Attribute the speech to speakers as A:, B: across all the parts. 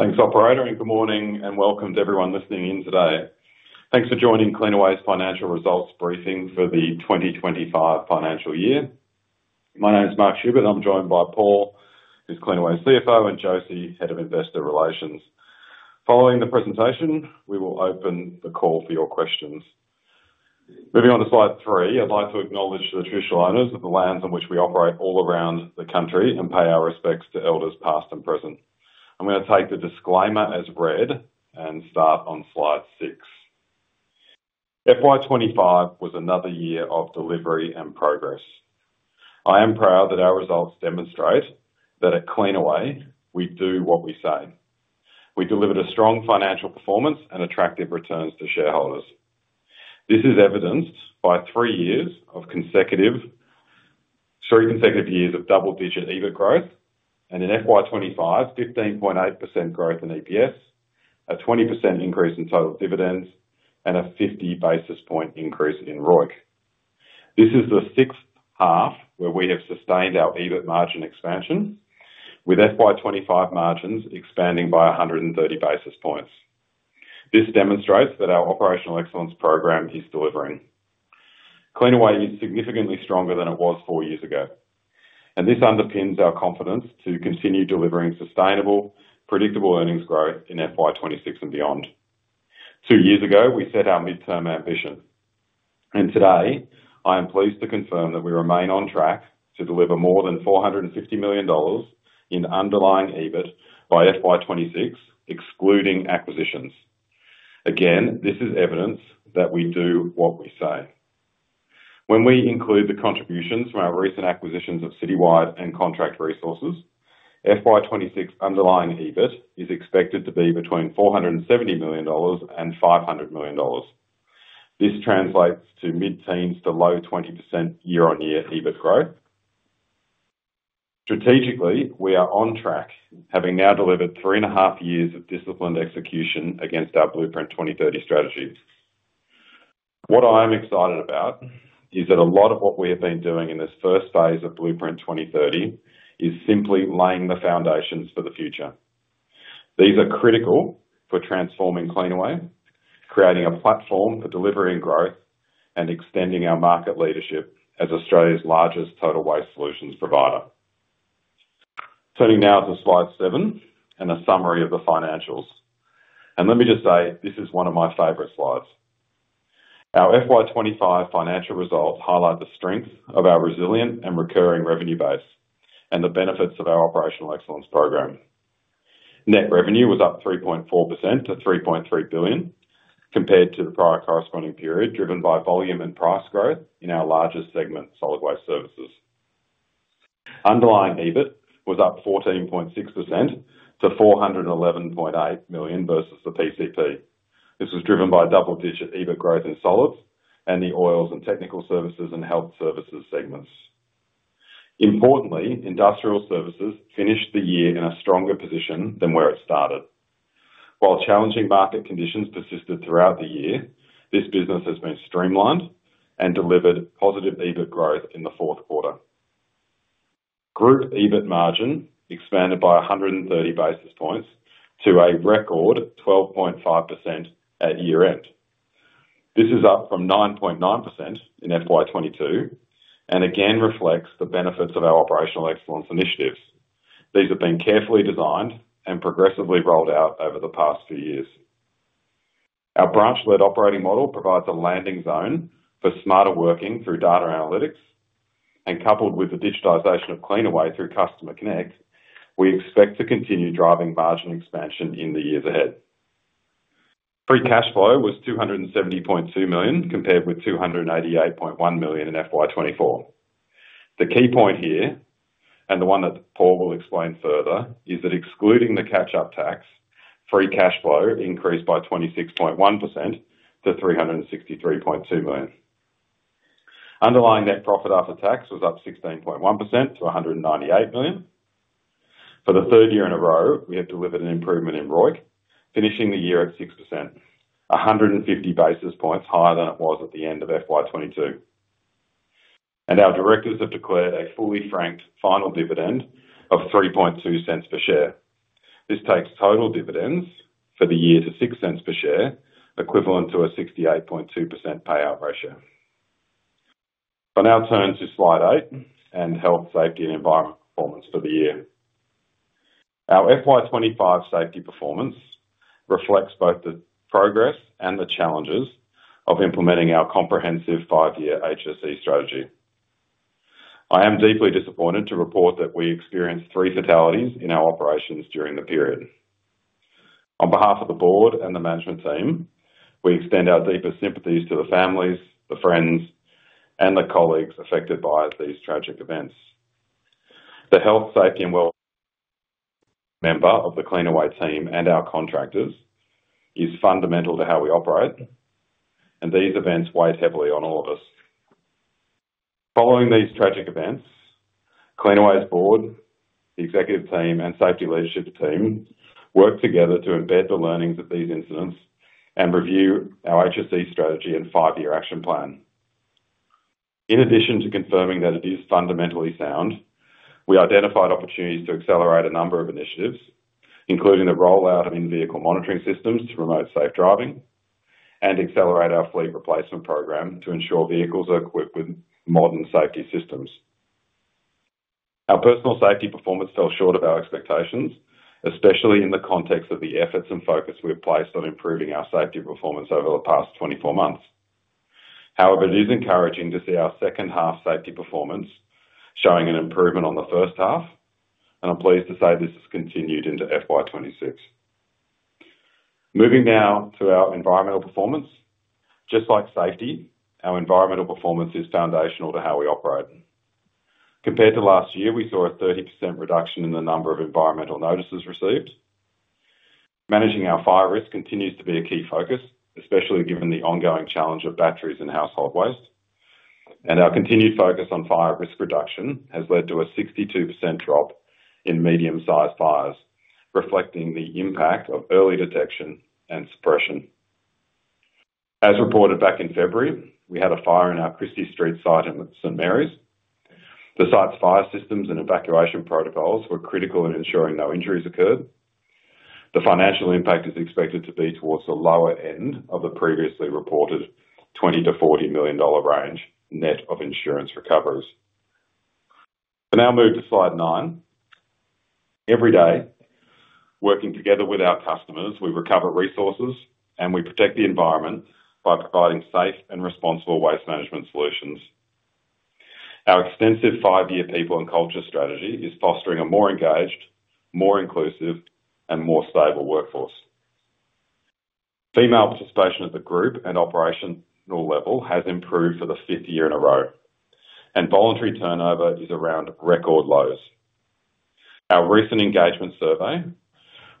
A: Thanks for operating. Good morning and welcome to everyone listening in today. Thanks for joining Cleanaway's financial results briefing for the 2025 financial year. My name is Mark Schubert. I'm joined by Paul, who's Cleanaway's CFO, and Josie, Head of Investor Relations. Following the presentation, we will open the call for your questions. Moving on to slide three, I'd like to acknowledge the traditional owners of the lands on which we operate all around the country and pay our respects to elders past and present. I'm going to take the disclaimer as read and start on slide six. FY 2025 was another year of delivery and progress. I am proud that our results demonstrate that at Cleanaway, we do what we say. We delivered a strong financial performance and attractive returns to shareholders. This is evidenced by three consecutive years of double-digit EBIT growth, and in FY 2025, 15.8% growth in EPS, a 20% increase in total dividends, and a 50 basis point increase in ROIC. This is the sixth half where we have sustained our EBIT margin expansion, with FY 2025 margins expanding by 130 basis points. This demonstrates that our operational excellence program is delivering. Cleanaway is significantly stronger than it was four years ago, and this underpins our confidence to continue delivering sustainable, predictable earnings growth in FY 2026 and beyond. Two years ago, we set our mid-term ambition, and today I am pleased to confirm that we remain on track to deliver more than $450 million in underlying EBIT by FY 2026, excluding acquisitions. Again, this is evidence that we do what we say. When we include the contributions from our recent acquisitions of Citywide and Contract Resources, FY 2026 underlying EBIT is expected to be between $470 million and $500 million. This translates to mid-teens to low 20% year-on-year EBIT growth. Strategically, we are on track, having now delivered three and a half years of disciplined execution against our Blueprint 2030 strategies. What I am excited about is that a lot of what we have been doing in this first phase of Blueprint 2030 is simply laying the foundations for the future. These are critical for transforming Cleanaway, creating a platform for delivering growth, and extending our market leadership as Australia's largest total waste solutions provider. Turning now to slide seven and a summary of the financials. Let me just say, this is one of my favorite slides. Our FY 2025 financial results highlight the strength of our resilient and recurring revenue base and the benefits of our operational excellence program. Net revenue was up 3.4% to $3.3 billion compared to the prior corresponding period, driven by volume and price growth in our largest segment, solid waste services. Underlying EBIT was up 14.6% to $411.8 million versus the PCP. This was driven by double-digit EBIT growth in solids and the oils and technical services and health services segments. Importantly, industrial services finished the year in a stronger position than where it started. While challenging market conditions persisted throughout the year, this business has been streamlined and delivered positive EBIT growth in the fourth quarter. Group EBIT margin expanded by 130 basis points to a record 12.5% at year-end. This is up from 9.9% in FY 2022 and again reflects the benefits of our operational excellence initiatives. These have been carefully designed and progressively rolled out over the past few years. Our branch-led operating model provides a landing zone for smarter working through data analytics, and coupled with the digitization of Cleanaway through CustomerConnect, we expect to continue driving margin expansion in the years ahead. Free cash flow was $270.2 million compared with $288.1 million in FY 2024. The key point here, and the one that Paul will explain further, is that excluding the catch-up tax, free cash flow increased by 26.1% to $363.2 million. Underlying net profit after tax was up 16.1% to $198 million. For the third year in a row, we have delivered an improvement in ROIC, finishing the year at 6%, 150 basis points higher than it was at the end of FY 2022. Our directors have declared a fully franked final dividend of $3.20 per share. This takes total dividends for the year to $0.06 per share, equivalent to a 68.2% payout ratio. I'll now turn to slide eight and health, safety, and environmental performance for the year. Our FY 2025 safety performance reflects both the progress and the challenges of implementing our comprehensive five-year HSE strategy. I am deeply disappointed to report that we experienced three fatalities in our operations during the period. On behalf of the board and the management team, we extend our deepest sympathies to the families, the friends, and the colleagues affected by these tragic events. The health, safety, and of the Cleanaway team and our contractors is fundamental to how we operate, and these events weighed heavily on all of us. Following these tragic events, Cleanaway's board, the executive team, and safety leadership team worked together to embed the learnings of these incidents and review our HSE strategy and five-year action plan. In addition to confirming that it is fundamentally sound, we identified opportunities to accelerate a number of initiatives, including the rollout of in-vehicle monitoring systems to promote safe driving and accelerate our fleet replacement program to ensure vehicles are equipped with modern safety systems. Our personal safety performance fell short of our expectations, especially in the context of the efforts and focus we have placed on improving our safety performance over the past 24 months. However, it is encouraging to see our second half safety performance showing an improvement on the first half, and I'm pleased to say this has continued into FY 2026. Moving now to our environmental performance. Just like safety, our environmental performance is foundational to how we operate. Compared to last year, we saw a 30% reduction in the number of environmental notices received. Managing our fire risk continues to be a key focus, especially given the ongoing challenge of batteries and household waste. Our continued focus on fire risk reduction has led to a 62% drop in medium-sized fires, reflecting the impact of early detection and suppression. As reported back in February, we had a fire in our Christie Street site in St. Marys. The site's fire systems and evacuation protocols were critical in ensuring no injuries occurred. The financial impact is expected to be towards the lower end of the previously reported $20 million-$40 million range net of insurance recoveries. I'll now move to slide nine. Every day, working together with our customers, we recover resources and we protect the environment by providing safe and responsible waste management solutions. Our extensive five-year people and culture strategy is fostering a more engaged, more inclusive, and more stable workforce. Female participation at the group and operational level has improved for the fifth year in a row, and voluntary turnover is around record lows. Our recent engagement survey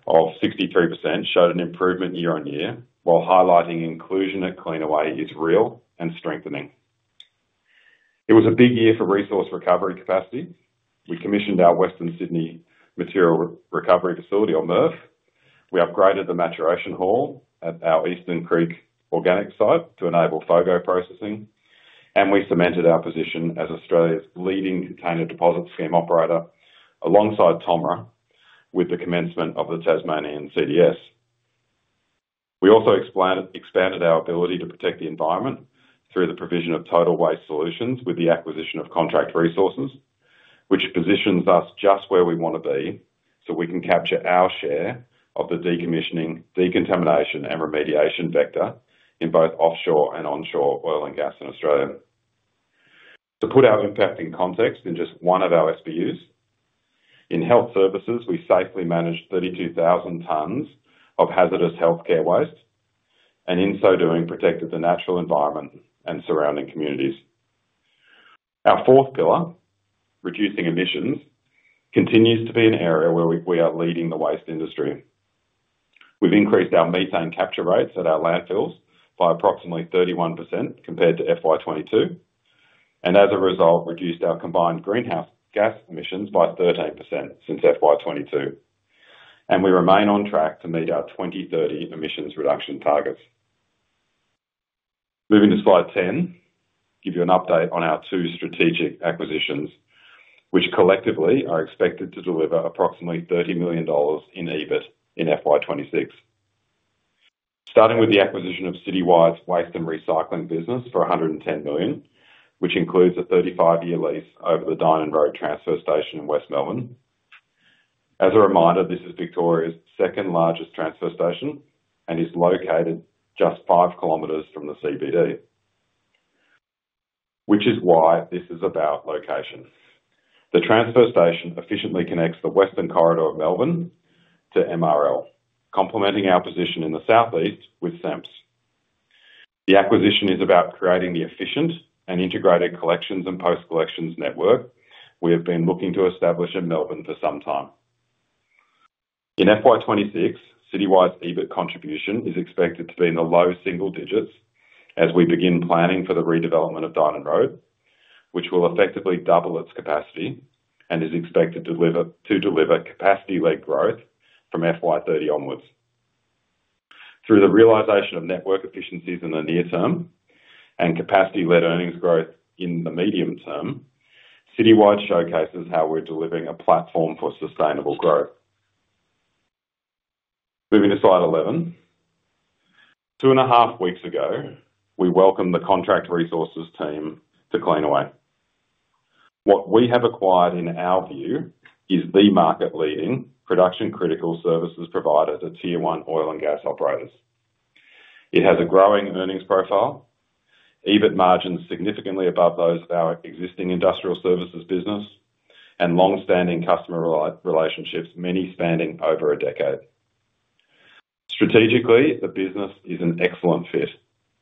A: of 63% showed an improvement year on year, while highlighting inclusion at Cleanaway is real and strengthening. It was a big year for resource recovery capacity. We commissioned our Western Sydney Material Recovery Facility, or MRF. We upgraded the maturation hall at our Eastern Creek organics site to enable photo processing, and we cemented our position as Australia's leading container deposit scheme operator alongside TOMRA, with the commencement of the Tasmanian CDS. We also expanded our ability to protect the environment through the provision of total waste solutions with the acquisition of Contract Resources, which positions us just where we want to be so we can capture our share of the decommissioning, decontamination, and remediation vector in both offshore and onshore oil and gas in Australia. To put our impact in context, in just one of our SBUs, in health services, we safely managed 32,000 tonnes of hazardous healthcare waste, and in so doing, protected the natural environment and surrounding communities. Our fourth pillar, reducing emissions, continues to be an area where we are leading the waste industry. We've increased our methane capture rates at our landfills by approximately 31% compared to FY 2022, and as a result, reduced our combined greenhouse gas emissions by 13% since FY 2022. We remain on track to meet our 2030 emissions reduction targets. Moving to slide ten, I'll give you an update on our two strategic acquisitions, which collectively are expected to deliver approximately $30 million in EBIT in FY 2026. Starting with the acquisition of Citywide's waste and recycling business for $110 million, which includes a 35-year lease over the Dynon Road transfer station in West Melbourne. As a reminder, this is Victoria's second largest transfer station and is located just 5 km from the CBD, which is why this is about location. The transfer station efficiently connects the Western Corridor of Melbourne to MRL, complementing our position in the southeast with SEMS. The acquisition is about creating the efficient and integrated collections and post-collections network we have been looking to establish in Melbourne for some time. In FY 2026, Citywide's EBIT contribution is expected to be in the low single digits as we begin planning for the redevelopment of Dynon Road, which will effectively double its capacity and is expected to deliver capacity-led growth from FY 2030 onwards. Through the realization of network efficiencies in the near term and capacity-led earnings growth in the medium term, Citywide showcases how we're delivering a platform for sustainable growth. Moving to slide 11. Two and a half weeks ago, we welcomed the Contract Resources team to Cleanaway. What we have acquired, in our view, is the market-leading production-critical services provider to Tier 1 oil and gas operators. It has a growing earnings profile, EBIT margins significantly above those of our existing industrial services business, and long-standing customer relationships, many spanning over a decade. Strategically, the business is an excellent fit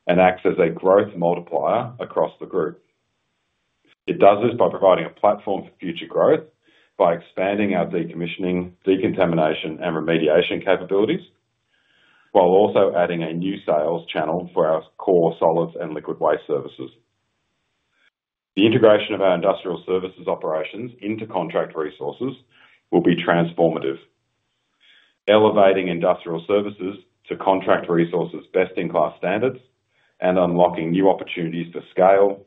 A: and acts as a growth multiplier across the group. It does this by providing a platform for future growth by expanding our decommissioning, decontamination, and remediation capabilities, while also adding a new sales channel for our core solid and liquid waste services. The integration of our industrial services operations into Contract Resources will be transformative, elevating industrial services to Contract Resources' best-in-class standards and unlocking new opportunities for scale,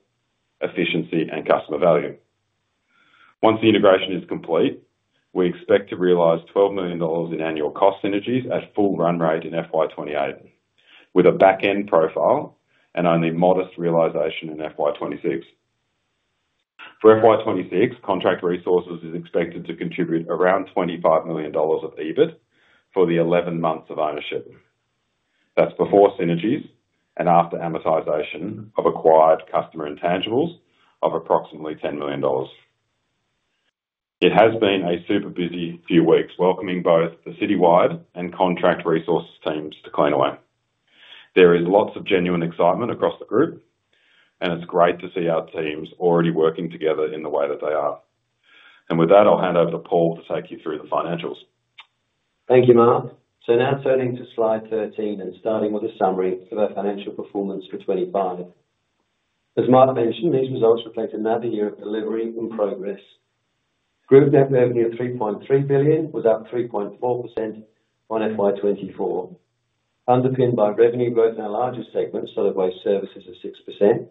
A: efficiency, and customer value. Once the integration is complete, we expect to realize $12 million in annual cost synergies at full run rate in FY 2028, with a back-end profile and only modest realization in FY 2026. For FY 2026, Contract Resources is expected to contribute around $25 million of EBIT for the 11 months of ownership. That's before synergies and after amortization of acquired customer intangibles of approximately $10 million. It has been a super busy few weeks welcoming both the Citywide and Contract Resources teams to Cleanaway. There is lots of genuine excitement across the group, and it's great to see our teams already working together in the way that they are. I'll hand over to Paul to take you through the financials.
B: Thank you, Mark. Now turning to slide 13 and starting with a summary of our financial performance for 2025. As Mark mentioned, these results reflect another year of delivery and progress. Group net revenue of $3.3 billion was up 3.4% on FY 2024, underpinned by revenue growth in our largest segment, solid waste services, of 6%,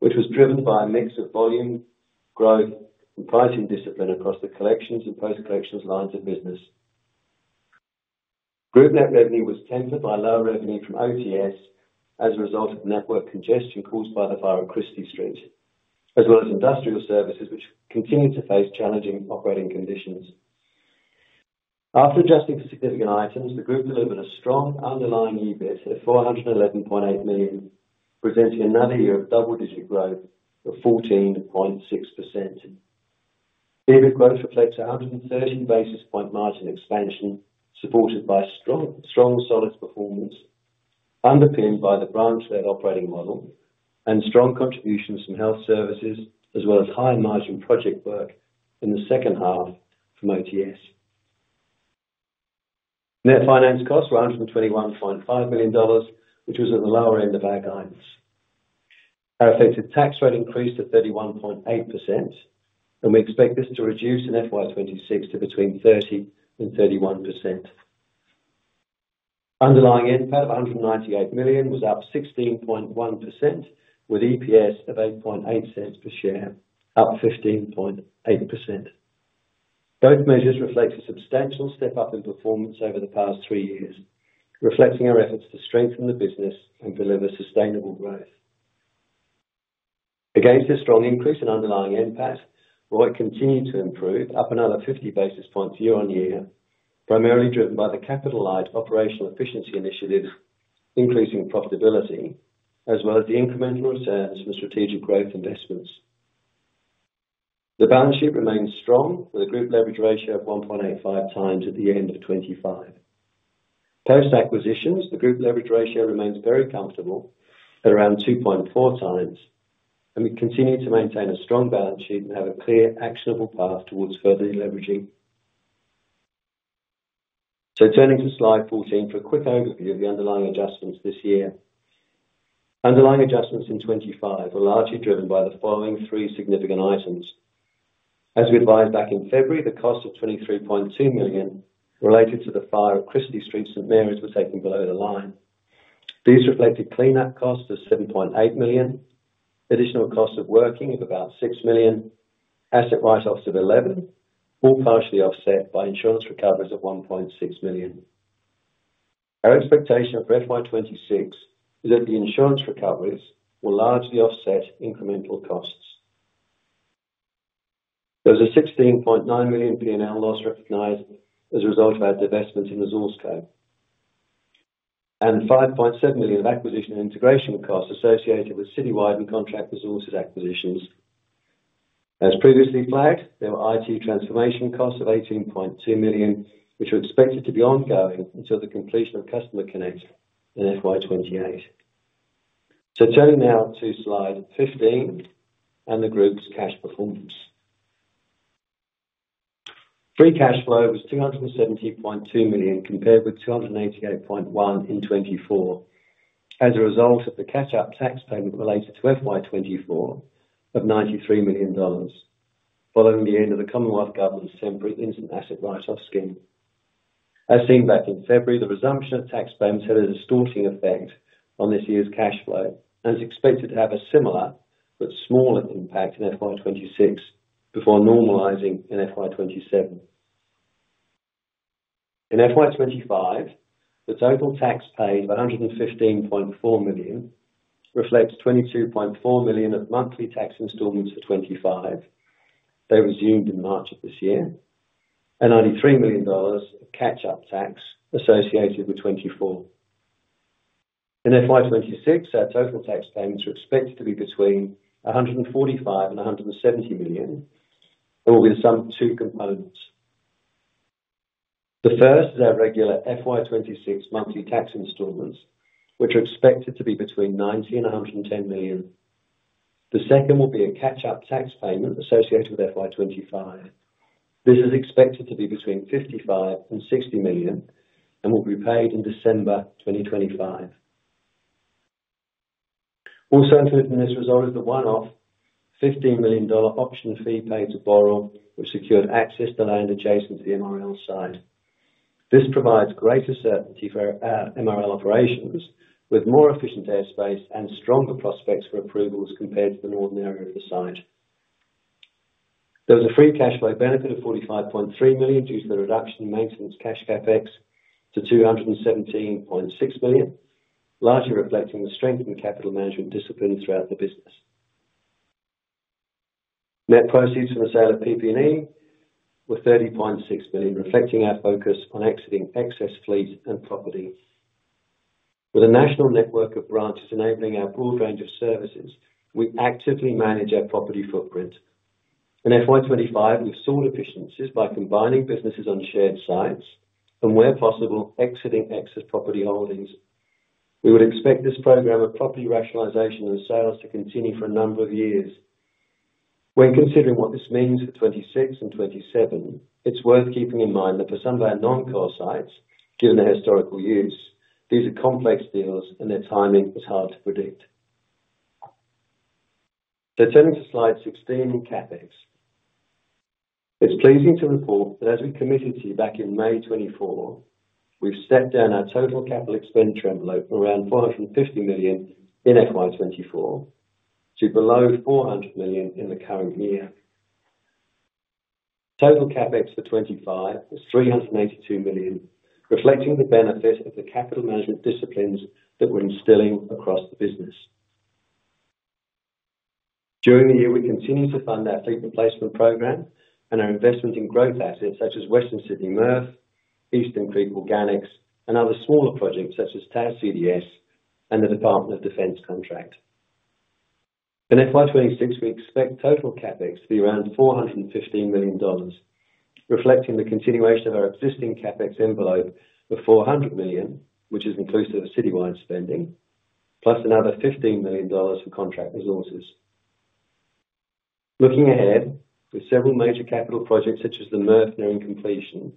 B: which was driven by a mix of volume, growth, and pricing discipline across the collections and post-collections lines of business. Group net revenue was tempered by lower revenue from OTS as a result of network congestion caused by the fire at Christie Street, as well as industrial services, which continued to face challenging operating conditions. After adjusting for significant items, the group delivered a strong underlying EBIT at $411.8 million, presenting another year of double-digit growth of 14.6%. EBIT growth reflects a 130 basis point margin expansion supported by strong solids performance, underpinned by the branch-led operating model, and strong contributions from health services, as well as higher margin project work in the second half from OTS. Net finance costs were $121.5 million, which was at the lower end of our guidance. Our effective tax rate increased to 31.8%, and we expect this to reduce in FY 2026 to between 30% and 31%. Underlying EBIT of $198 million was up 16.1%, with EPS of $8.80 per share, up 15.8%. Both measures reflect a substantial step up in performance over the past three years, reflecting our efforts to strengthen the business and deliver sustainable growth. Against this strong increase in underlying EBIT, we continue to improve up another 50 basis points year on year, primarily driven by the Capital Light operational efficiency initiative, increasing profitability, as well as the incremental returns from strategic growth investments. The balance sheet remains strong with a group leverage ratio of 1.85x at the end of 2025. Post-acquisitions, the group leverage ratio remains very comfortable at around 2.4x, and we continue to maintain a strong balance sheet and have a clear, actionable path towards further leveraging. Turning to slide 14 for a quick overview of the underlying adjustments this year. Underlying adjustments in 2025 were largely driven by the following three significant items. As we advised back in February, the cost of $23.2 million related to the fire at Christie Street St. Marys was taken below the line. These reflected clean-up costs of $7.8 million, additional costs of working of about $6 million, asset write-offs of $11 million, all partially offset by insurance recoveries of $1.6 million. Our expectation for FY 2026 is that the insurance recoveries will largely offset incremental costs. There was a $16.9 million P&L loss recognized as a result of our divestments in ResourceCo and $5.7 million of acquisition and integration costs associated with Citywide and Contract Resources acquisitions. As previously flagged, there were IT transformation costs of $18.2 million, which were expected to be ongoing until the completion of CustomerConnect in FY 2028. Turning now to slide 15 and the group's cash performance, free cash flow was $270.2 million compared with $288.1 million in 2024, as a result of the catch-up tax payment related to FY 2024 of $93 million, following the end of the Commonwealth Government's temporary instant asset write-off scheme. As seen back in February, the resumption of tax payments had a distorting effect on this year's cash flow and is expected to have a similar but smaller impact in FY 2026 before normalizing in FY 2027. In FY 2025, the total tax paid of $115.4 million reflects $22.4 million of monthly tax installments for 2025, which resumed in March of this year, and $93 million of catch-up tax associated with 2024. In FY 2026, our total tax payments are expected to be between $145 million and $170 million, and will be the sum of two components. The first is our regular FY 2026 monthly tax installments, which are expected to be between $90 million and $110 million. The second will be a catch-up tax payment associated with FY 2025. This is expected to be between $55 million and $60 million and will be paid in December 2025. Also included in this result is the one-off $15 million option fee paid to Boral, which secured access to land adjacent to the MRL site. This provides greater certainty for our MRL operations, with more efficient airspace and stronger prospects for approvals compared to the northern area of the site. There was a free cash flow benefit of $45.3 million due to the reduction in maintenance cash CapEx to $217.6 million, largely reflecting the strength in capital management discipline throughout the business. Net proceeds from the sale of PP&E were $30.6 million, reflecting our focus on exiting excess fleet and property. With a national network of branches enabling our broad range of services, we actively manage our property footprint. In FY 2025, we've sought efficiencies by combining businesses on shared sites and, where possible, exiting excess property holdings. We would expect this program of property rationalization and sales to continue for a number of years. When considering what this means for 2026 and 2027, it's worth keeping in mind that for some of our non-core sites, given their historical use, these are complex deals and their timing is hard to predict. Turning to slide 16 and CapEx, it's pleasing to report that, as we committed to back in May 2024, we've stepped down our total capital expenditure envelope from around $450 million in FY 2024 to below $400 million in the current year. Total CapEx for 2025 was $382 million, reflecting the benefit of the capital management disciplines that we're instilling across the business. During the year, we continue to fund our fleet replacement program and our investment in growth assets such as the Western Sydney MRF, Eastern Creek Organics, and other smaller projects such as TA CDS and the Department of Defence contract. In FY 2026, we expect total CapEx to be around $415 million, reflecting the continuation of our existing CapEx envelope of $400 million, which is inclusive of Citywide spending, plus another $15 million for Contract Resources. Looking ahead, with several major capital projects such as the MRF nearing completion,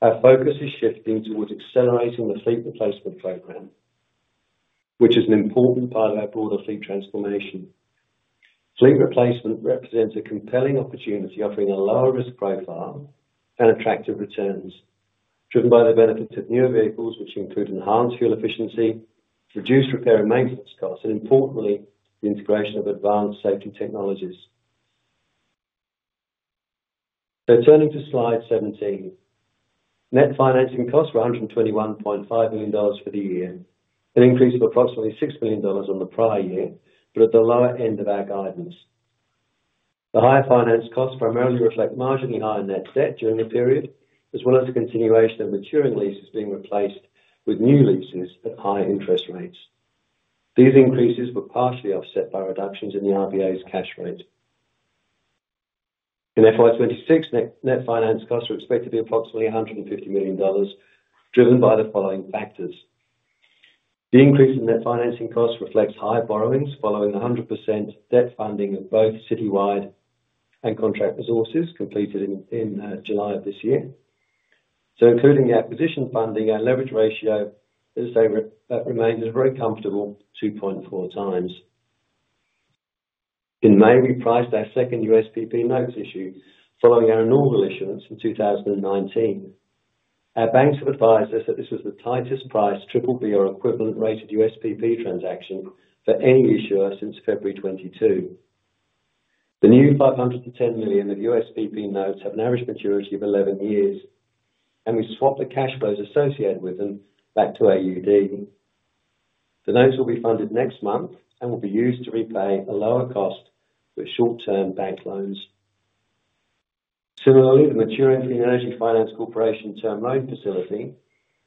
B: our focus is shifting towards accelerating the fleet replacement program, which is an important part of our broader fleet transformation. Fleet replacement represents a compelling opportunity, offering a lower risk profile and attractive returns, driven by the benefits of newer vehicles, which include enhanced fuel efficiency, reduced repair and maintenance costs, and importantly, the integration of advanced safety technologies. Turning to slide 17, net financing costs were $121.5 million for the year, an increase of approximately $6 million on the prior year, but at the lower end of our guidance. The higher finance costs primarily reflect marginally higher net debt during the period, as well as the continuation of maturing leases being replaced with new leases at higher interest rates. These increases were partially offset by reductions in the RBA's cash rate. In FY 2026, net finance costs are expected to be approximately $150 million, driven by the following factors. The increase in net financing costs reflects high borrowings following the 100% debt funding of both Citywide and Contract Resources completed in July of this year. Including the acquisition funding, our leverage ratio remains very comfortable at 2.4x. In May, we priced our second USPP notice issue following our normal issuance in 2019. Our banks have advised us that this was the tightest priced BBB or equivalent rated USPP transaction for any issuer since February 2022. The new $510 million of USPP notes have an average maturity of 11 years, and we swap the cash flows associated with them back to AUD. The notes will be funded next month and will be used to repay a lower cost with short-term bank loans. Similarly, the maturing Green Energy Finance Corporation term loan facility,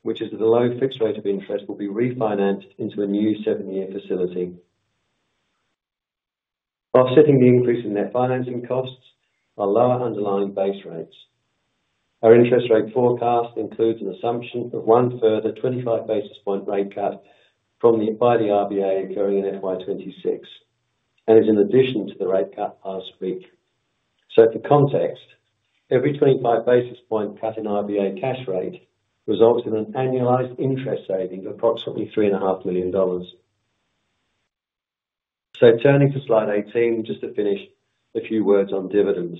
B: which is at a low fixed rate of interest, will be refinanced into a new seven-year facility. Offsetting the increase in net financing costs are lower underlying base rates. Our interest rate forecast includes an assumption of one further 25 basis point rate cut by the RBA occurring in FY 2026, and is in addition to the rate cut last week. For context, every 25 basis point cut in RBA cash rate results in an annualized interest saving of approximately $3.5 million. Turning to slide 18, just to finish a few words on dividends.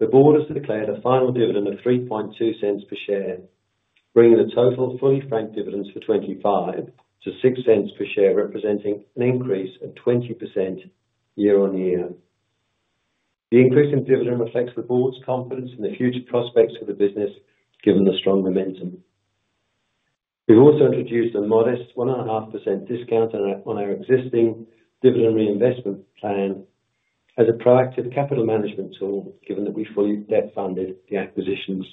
B: The board has declared a final dividend of $3.20 per share, bringing the total fully franked dividends for 2025 to $0.06 per share, representing an increase of 20% year-on-year. The increase in dividend reflects the board's confidence in the future prospects for the business, given the strong momentum. We've also introduced a modest 1.5% discount on our existing dividend reinvestment plan as a proactive capital management tool, given that we fully debt funded the acquisitions.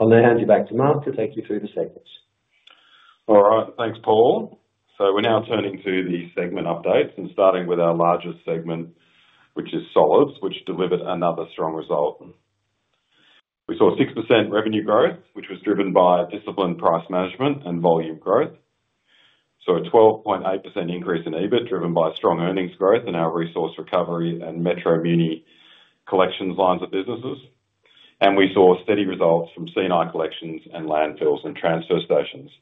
B: I'll now hand you back to Mark to take you through the segments.
A: All right, thanks Paul. We're now turning to the segment updates and starting with our largest segment, which is solids, which delivered another strong result. We saw 6% revenue growth, which was driven by disciplined price management and volume growth. We saw a 12.8% increase in EBIT driven by strong earnings growth in our resource recovery and Metro Muni collections lines of businesses. We saw steady results from C&I collections and landfills and transfer stations.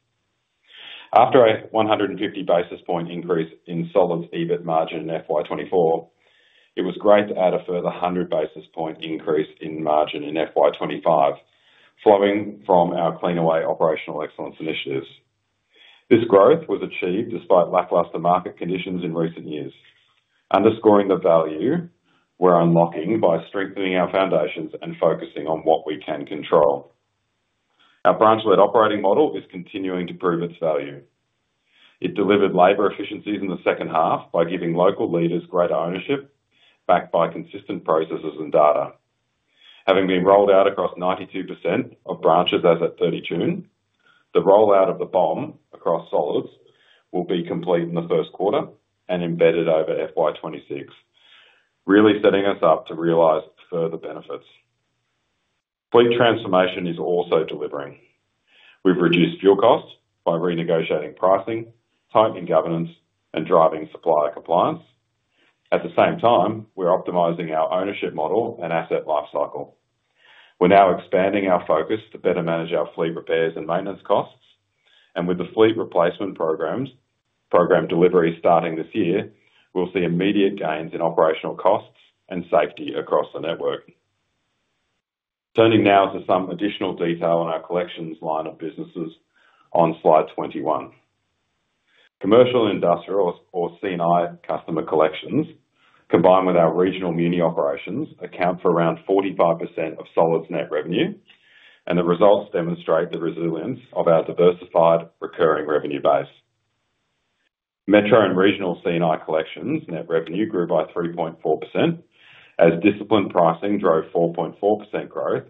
A: After a 150 basis point increase in solids EBIT margin in FY 2024, it was great to add a further 100 basis point increase in margin in FY 2025 flowing from our Cleanaway operational excellence initiatives. This growth was achieved despite lackluster market conditions in recent years, underscoring the value we're unlocking by strengthening our foundations and focusing on what we can control. Our branch-led operating model is continuing to prove its value. It delivered labor efficiencies in the second half by giving local leaders greater ownership, backed by consistent processes and data. Having been rolled out across 92% of branches as of 30 June, the rollout of the BOM across solids will be complete in the first quarter and embedded over FY 2026, really setting us up to realize further benefits. Fleet transformation is also delivering. We've reduced fuel costs by renegotiating pricing, tightening governance, and driving supplier compliance. At the same time, we're optimizing our ownership model and asset lifecycle. We're now expanding our focus to better manage our fleet repairs and maintenance costs. With the fleet replacement program delivery starting this year, we'll see immediate gains in operational costs and safety across the network. Turning now to some additional detail on our collections line of businesses on slide 21. Commercial and industrial, or C&I, customer collections, combined with our regional muni operations, account for around 45% of solids net revenue, and the results demonstrate the resilience of our diversified recurring revenue base. Metro and regional C&I collections net revenue grew by 3.4%, as disciplined pricing drove 4.4% growth,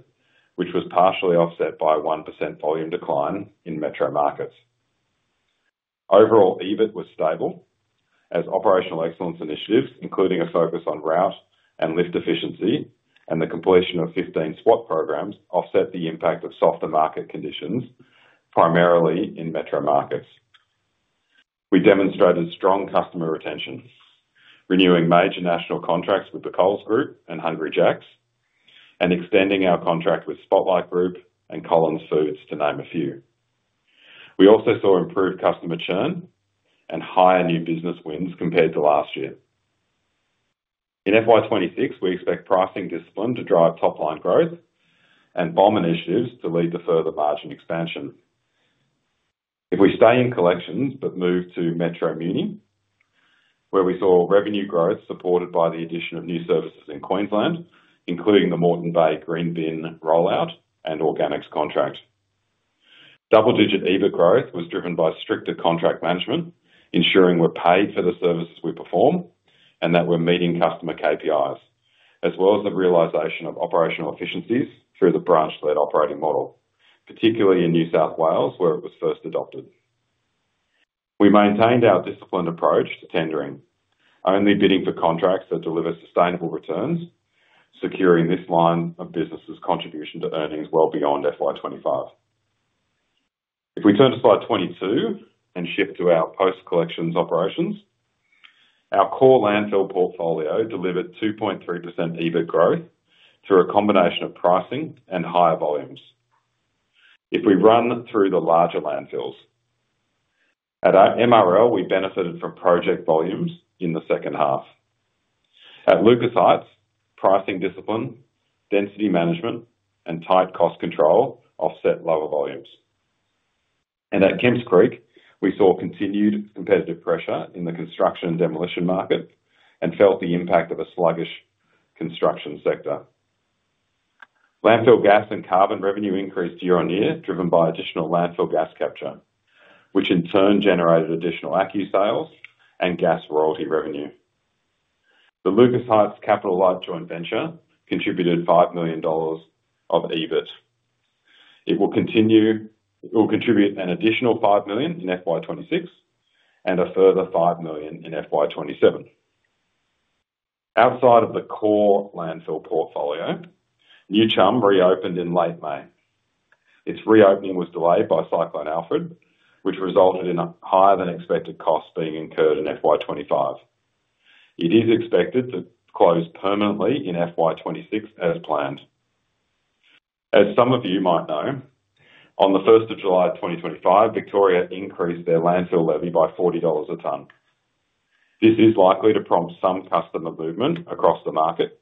A: which was partially offset by a 1% volume decline in metro markets. Overall, EBIT was stable, as operational excellence initiatives, including a focus on route and lift efficiency and the completion of 15 SWAT programs, offset the impact of softer market conditions, primarily in metro markets. We demonstrated strong customer retention, renewing major national contracts with the Coles Group and Hungry Jack's, and extending our contract with Spotlight Group and Collins Foods, to name a few. We also saw improved customer churn and higher new business wins compared to last year. In FY 2026, we expect pricing discipline to drive top-line growth and BOM initiatives to lead to further margin expansion. If we stay in collections but move to Metro Muni, where we saw revenue growth supported by the addition of new services in Queensland, including the Moreton Bay Green Bin rollout and Organics contract. Double-digit EBIT growth was driven by stricter contract management, ensuring we're paid for the services we perform and that we're meeting customer KPIs, as well as the realization of operational efficiencies through the branch-led operating model, particularly in New South Wales, where it was first adopted. We maintained our disciplined approach to tendering, only bidding for contracts that deliver sustainable returns, securing this line of businesses' contribution to earnings well beyond FY 2025. If we turn to slide 22 and shift to our post-collections operations, our core landfill portfolio delivered 2.3% EBIT growth through a combination of pricing and higher volumes. If we run through the larger landfills. At MRL, we benefited from project volumes in the second half. At Lucas Heights, pricing discipline, density management, and tight cost control offset lower volumes. At Kemps Creek, we saw continued competitive pressure in the construction and demolition market and felt the impact of a sluggish construction sector. Landfill gas and carbon revenue increased year on year, driven by additional landfill gas capture, which in turn generated additional accu-sales and gas royalty revenue. The Lucas Heights Capital Light joint venture contributed $5 million of EBIT. It will continue to contribute an additional $5 million in FY 2026 and a further $5 million in FY 2027. Outside of the core landfill portfolio, New Chum reopened in late May. Its reopening was delayed by Cyclone Alfred, which resulted in higher than expected costs being incurred in FY 2025. It is expected to close permanently in FY 2026 as planned. As some of you might know, on the 1st of July 2025, Victoria increased their landfill levy by $40 a ton. This is likely to prompt some customer movement across the market,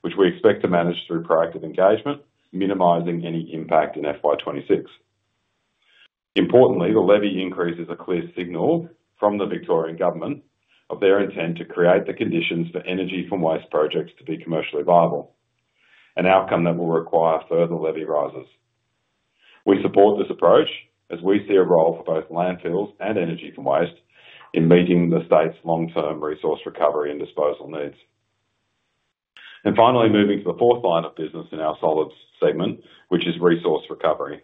A: which we expect to manage through proactive engagement, minimizing any impact in FY 2026. Importantly, the levy increase is a clear signal from the Victorian Government of their intent to create the conditions for energy-from-waste projects to be commercially viable, an outcome that will require further levy rises. We support this approach as we see a role for both landfills and energy-from-waste in meeting the state's long-term resource recovery and disposal needs. Finally, moving to the fourth line of business in our solids segment, which is resource recovery,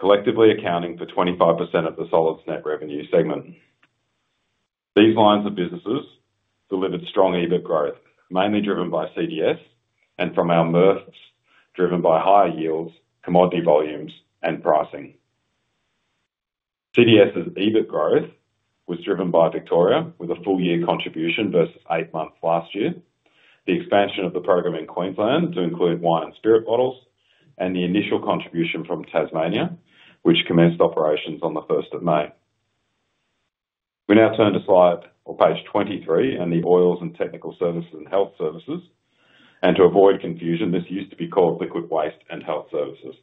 A: collectively accounting for 25% of the solids net revenue segment. These lines of business delivered strong EBIT growth, mainly driven by CDS and from our MRFs, driven by higher yields, commodity volumes, and pricing. CDS's EBIT growth was driven by Victoria, with a full-year contribution versus eight months last year, the expansion of the program in Queensland to include wine and spirit bottles, and the initial contribution from Tasmania, which commenced operations on the 1st of May. We now turn to slide or page 23 and the oils and technical services and health services. To avoid confusion, this used to be called liquid waste and health services.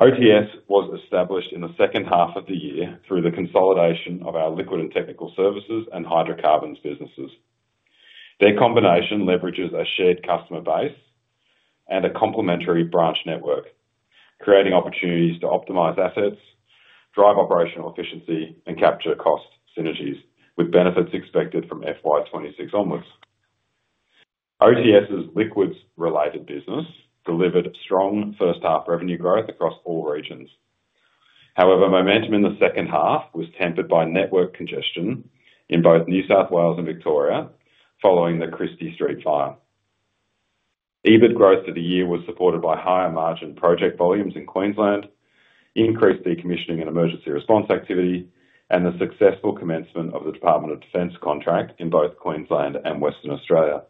A: OTS was established in the second half of the year through the consolidation of our liquid and technical services and hydrocarbons businesses. Their combination leverages a shared customer base and a complementary branch network, creating opportunities to optimize assets, drive operational efficiency, and capture cost synergies, with benefits expected from FY 2026 onwards. OTS's liquids-related business delivered strong first-half revenue growth across all regions. However, momentum in the second half was tempered by network congestion in both New South Wales and Victoria following the Christie Street fire. EBIT growth for the year was supported by higher margin project volumes in Queensland, increased decommissioning and emergency response activity, and the successful commencement of the Department of Defence contract in both Queensland and Western Australia.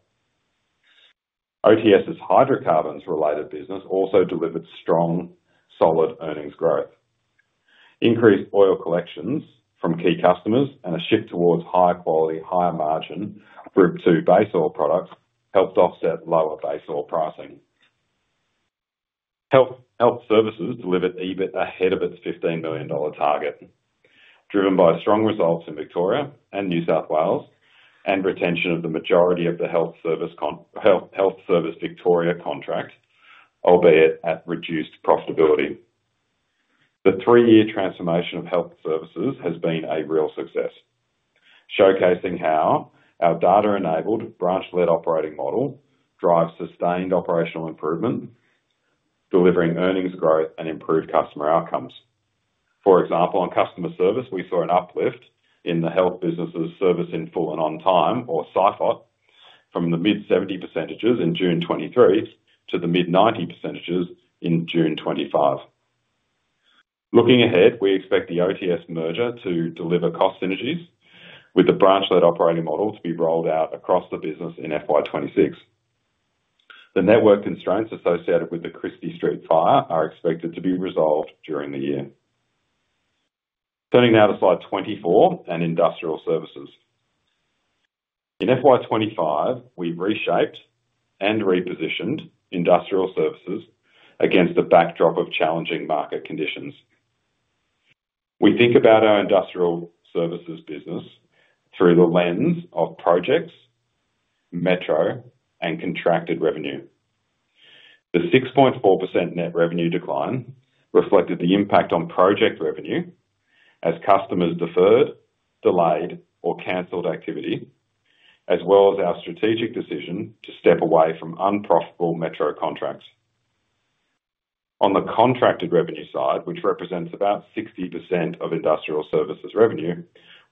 A: OTS's hydrocarbons-related business also delivered strong solid earnings growth. Increased oil collections from key customers and a shift towards higher quality, higher margin Group 2 base oil products helped offset lower base oil pricing. Health services delivered EBIT ahead of its $15 million target, driven by strong results in Victoria and New South Wales and retention of the majority of the Health Service Victoria contract, albeit at reduced profitability. The three-year transformation of health services has been a real success, showcasing how our data-enabled branch-led operating model drives sustained operational improvement, delivering earnings growth and improved customer outcomes. For example, on customer service, we saw an uplift in the health business' service in full and on time, or SIFOT, from the mid-70% in June 2023 to the mid-90% in June 2025. Looking ahead, we expect the OTS merger to deliver cost synergies, with the branch-led operating model to be rolled out across the business in FY 2026. The network constraints associated with the Christie Street fire are expected to be resolved during the year. Turning now to slide 24 and industrial services. In FY 2025, we reshaped and repositioned industrial services against the backdrop of challenging market conditions. We think about our industrial services business through the lens of projects, metro, and contracted revenue. The 6.4% net revenue decline reflected the impact on project revenue as customers deferred, delayed, or canceled activity, as well as our strategic decision to step away from unprofitable metro contracts. On the contracted revenue side, which represents about 60% of industrial services revenue,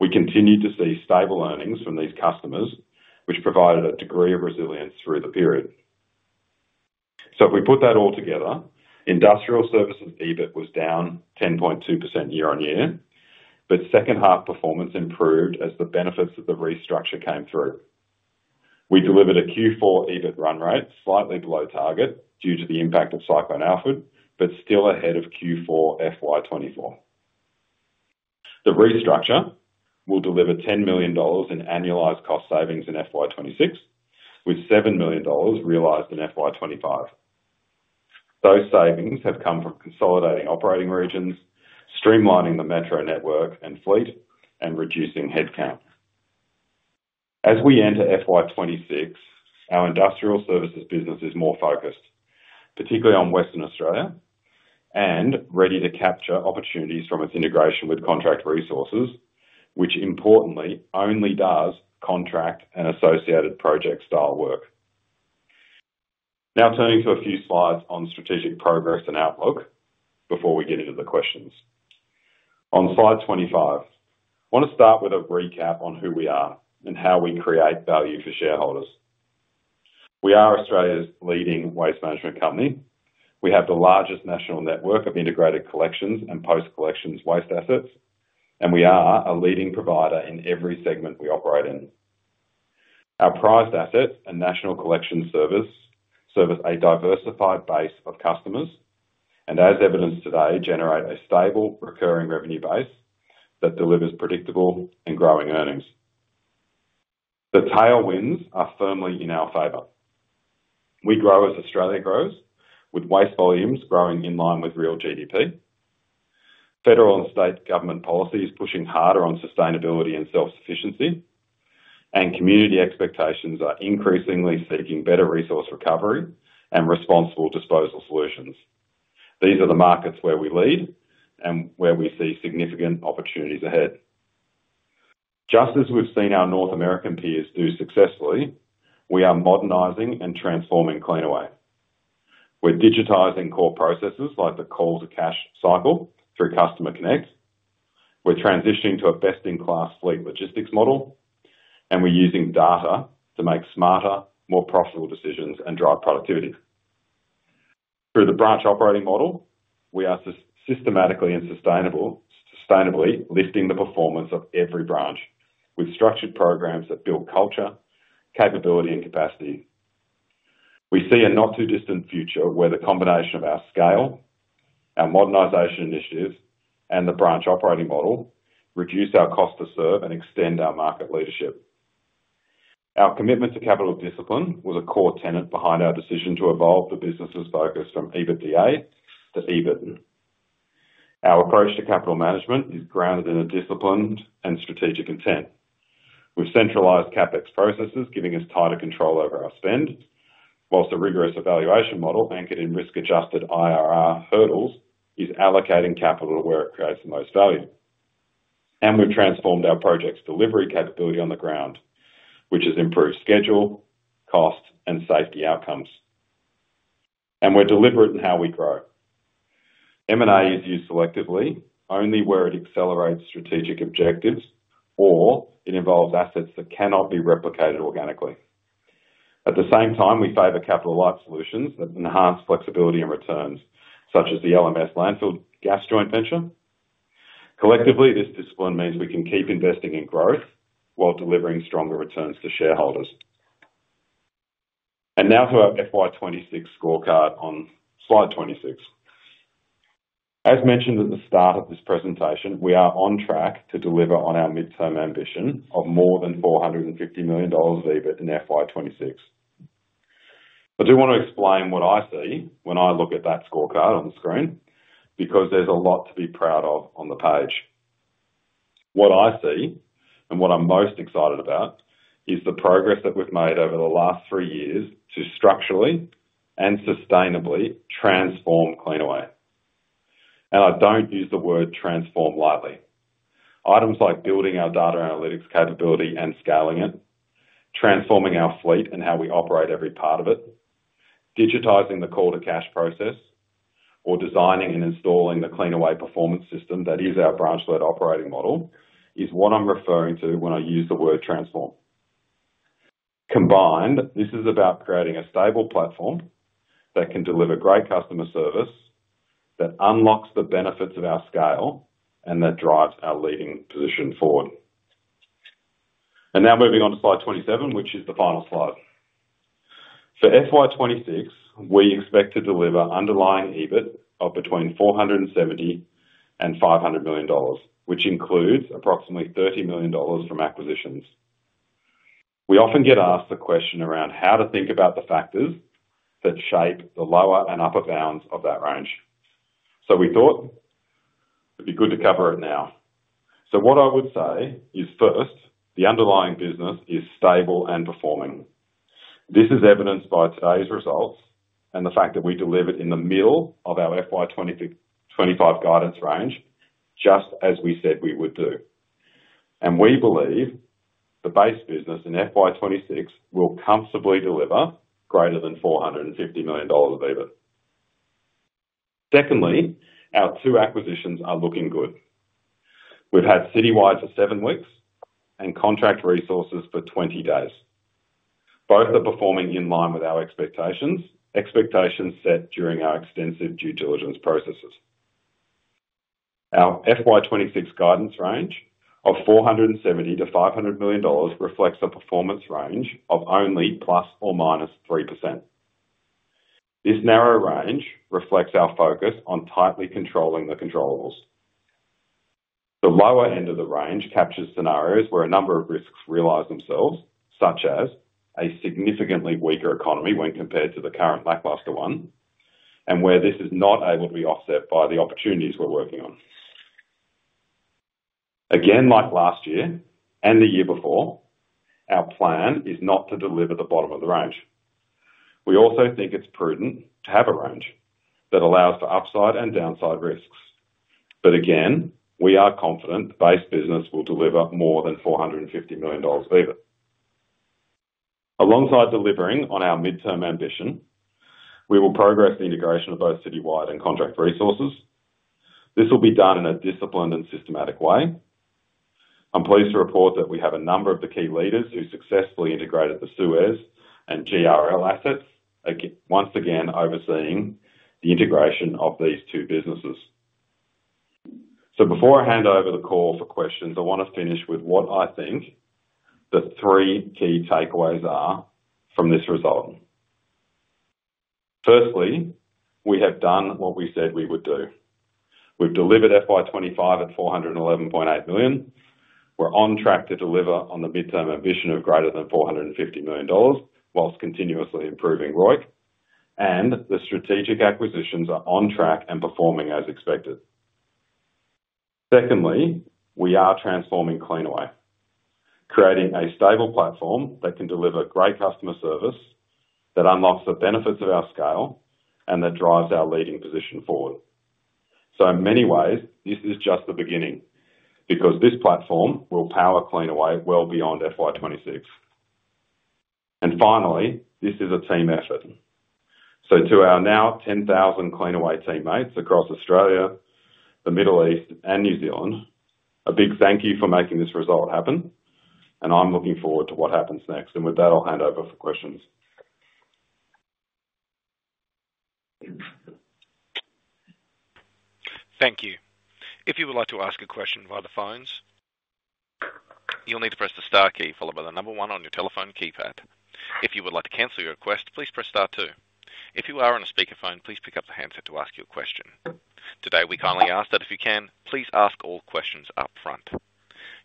A: we continued to see stable earnings from these customers, which provided a degree of resilience through the period. If we put that all together, industrial services EBIT was down 10.2% year-on-year, but second-half performance improved as the benefits of the restructure came through. We delivered a Q4 EBIT run rate slightly below target due to the impact of Cyclone Alfred, but still ahead of Q4 FY 2024. The restructure will deliver $10 million in annualized cost savings in FY 2026, with $7 million realized in FY 2025. Those savings have come from consolidating operating regions, streamlining the metro network and fleet, and reducing headcount. As we enter FY 2026, our industrial services business is more focused, particularly on Western Australia, and ready to capture opportunities from its integration with Contract Resources, which importantly only does contract and associated project style work. Now turning to a few slides on strategic progress and outlook before we get into the questions. On slide 25, I want to start with a recap on who we are and how we can create value for shareholders. We are Australia's leading waste management company. We have the largest national network of integrated collections and post-collections waste assets, and we are a leading provider in every segment we operate in. Our prized assets and national collections service service a diversified base of customers and, as evidenced today, generate a stable recurring revenue base that delivers predictable and growing earnings. The tailwinds are firmly in our favor. We grow as Australia grows, with waste volumes growing in line with real GDP. Federal and state government policy is pushing harder on sustainability and self-sufficiency, and community expectations are increasingly seeking better resource recovery and responsible disposal solutions. These are the markets where we lead and where we see significant opportunities ahead. Just as we've seen our North American peers do successfully, we are modernizing and transforming Cleanaway. We're digitizing core processes like the call-to-cash cycle through CustomerConnect. We're transitioning to a best-in-class fleet logistics model, and we're using data to make smarter, more profitable decisions and drive productivity. Through the branch operating model, we are systematically and sustainably lifting the performance of every branch with structured programs that build culture, capability, and capacity. We see a not-too-distant future where the combination of our scale, our modernization initiative, and the branch operating model reduce our cost to serve and extend our market leadership. Our commitment to capital discipline was a core tenet behind our decision to evolve the business's focus from EBITDA to EBIT. Our approach to capital management is grounded in a disciplined and strategic intent, with centralized CapEx processes giving us tighter control over our spend, while a rigorous evaluation model anchored in risk-adjusted IRR hurdles is allocating capital to where it creates the most value. We've transformed our project's delivery capability on the ground, which has improved schedule, cost, and safety outcomes. We are deliberate in how we grow. M&A is used selectively only where it accelerates strategic objectives or it involves assets that cannot be replicated organically. At the same time, we favor Capital Light solutions that enhance flexibility and returns, such as the LMS landfill gas joint venture. Collectively, this discipline means we can keep investing in growth while delivering stronger returns to shareholders. Now to our FY 2026 scorecard on slide 26. As mentioned at the start of this presentation, we are on track to deliver on our mid-term ambition of more than $450 million of EBIT in FY 2026. I do want to explain what I see when I look at that scorecard on the screen because there's a lot to be proud of on the page. What I see and what I'm most excited about is the progress that we've made over the last three years to structurally and sustainably transform Cleanaway. I don't use the word transform lightly. Items like building our data analytics capability and scaling it, transforming our fleet and how we operate every part of it, digitizing the call-to-cash process, or designing and installing the Cleanaway performance system that is our branch-led operating model is what I'm referring to when I use the word transform. Combined, this is about creating a stable platform that can deliver great customer service, that unlocks the benefits of our scale, and that drives our leading position forward. Now moving on to slide 27, which is the final slide. For FY 2026, we expect to deliver underlying EBIT of between $470 million and $500 million, which includes approximately $30 million from acquisitions. We often get asked the question around how to think about the factors that shape the lower and upper bounds of that range. We thought it'd be good to cover it now. What I would say is first, the underlying business is stable and performing. This is evidenced by today's results and the fact that we delivered in the middle of our FY 2025 guidance range, just as we said we would do. We believe the base business in FY 2026 will comfortably deliver greater than $450 million of EBIT. Secondly, our two acquisitions are looking good. We've had Citywide for seven weeks and Contract Resources for 20 days. Both are performing in line with our expectations, expectations set during our extensive due diligence processes. Our FY 2026 guidance range of $470 million-$500 million reflects a performance range of only ±3%. This narrow range reflects our focus on tightly controlling the controls. The lower end of the range captures scenarios where a number of risks realize themselves, such as a significantly weaker economy when compared to the current lackluster one, and where this is not able to be offset by the opportunities we're working on. Again like last year and the year before, our plan is not to deliver the bottom of the range. We also think it's prudent to have a range that allows for upside and downside risks. Again, we are confident the base business will deliver more than $450 million of EBIT. Alongside delivering on our mid-term ambition, we will progress the integration of both Citywide and Contract Resources. This will be done in a disciplined and systematic way. I'm pleased to report that we have a number of the key leaders who successfully integrated the Suez and GRL assets once again overseeing the integration of these two businesses. Before I hand over the call for questions, I want to finish with what I think the three key takeaways are from this result. Firstly, we have done what we said we would do. We've delivered FY 2025 at $411.8 million. We're on track to deliver on the mid-term ambition of greater than $450 million, whilst continuously improving ROIC. The strategic acquisitions are on track and performing as expected. Secondly, we are transforming Cleanaway, creating a stable platform that can deliver great customer service, that unlocks the benefits of our scale, and that drives our leading position forward. In many ways, this is just the beginning because this platform will power Cleanaway well beyond FY 2026. Finally, this is a team effort. To our now 10,000 Cleanaway teammates across Australia, the Middle East, and New Zealand, a big thank you for making this result happen. I'm looking forward to what happens next. With that, I'll hand over for questions.
C: Thank you. If you would like to ask a question via the phones, you'll need to press the star key followed by the number one on your telephone keypad. If you would like to cancel your request, please press star two. If you are on a speakerphone, please pick up the handset to ask your question. Today, we kindly ask that if you can, please ask all questions up front.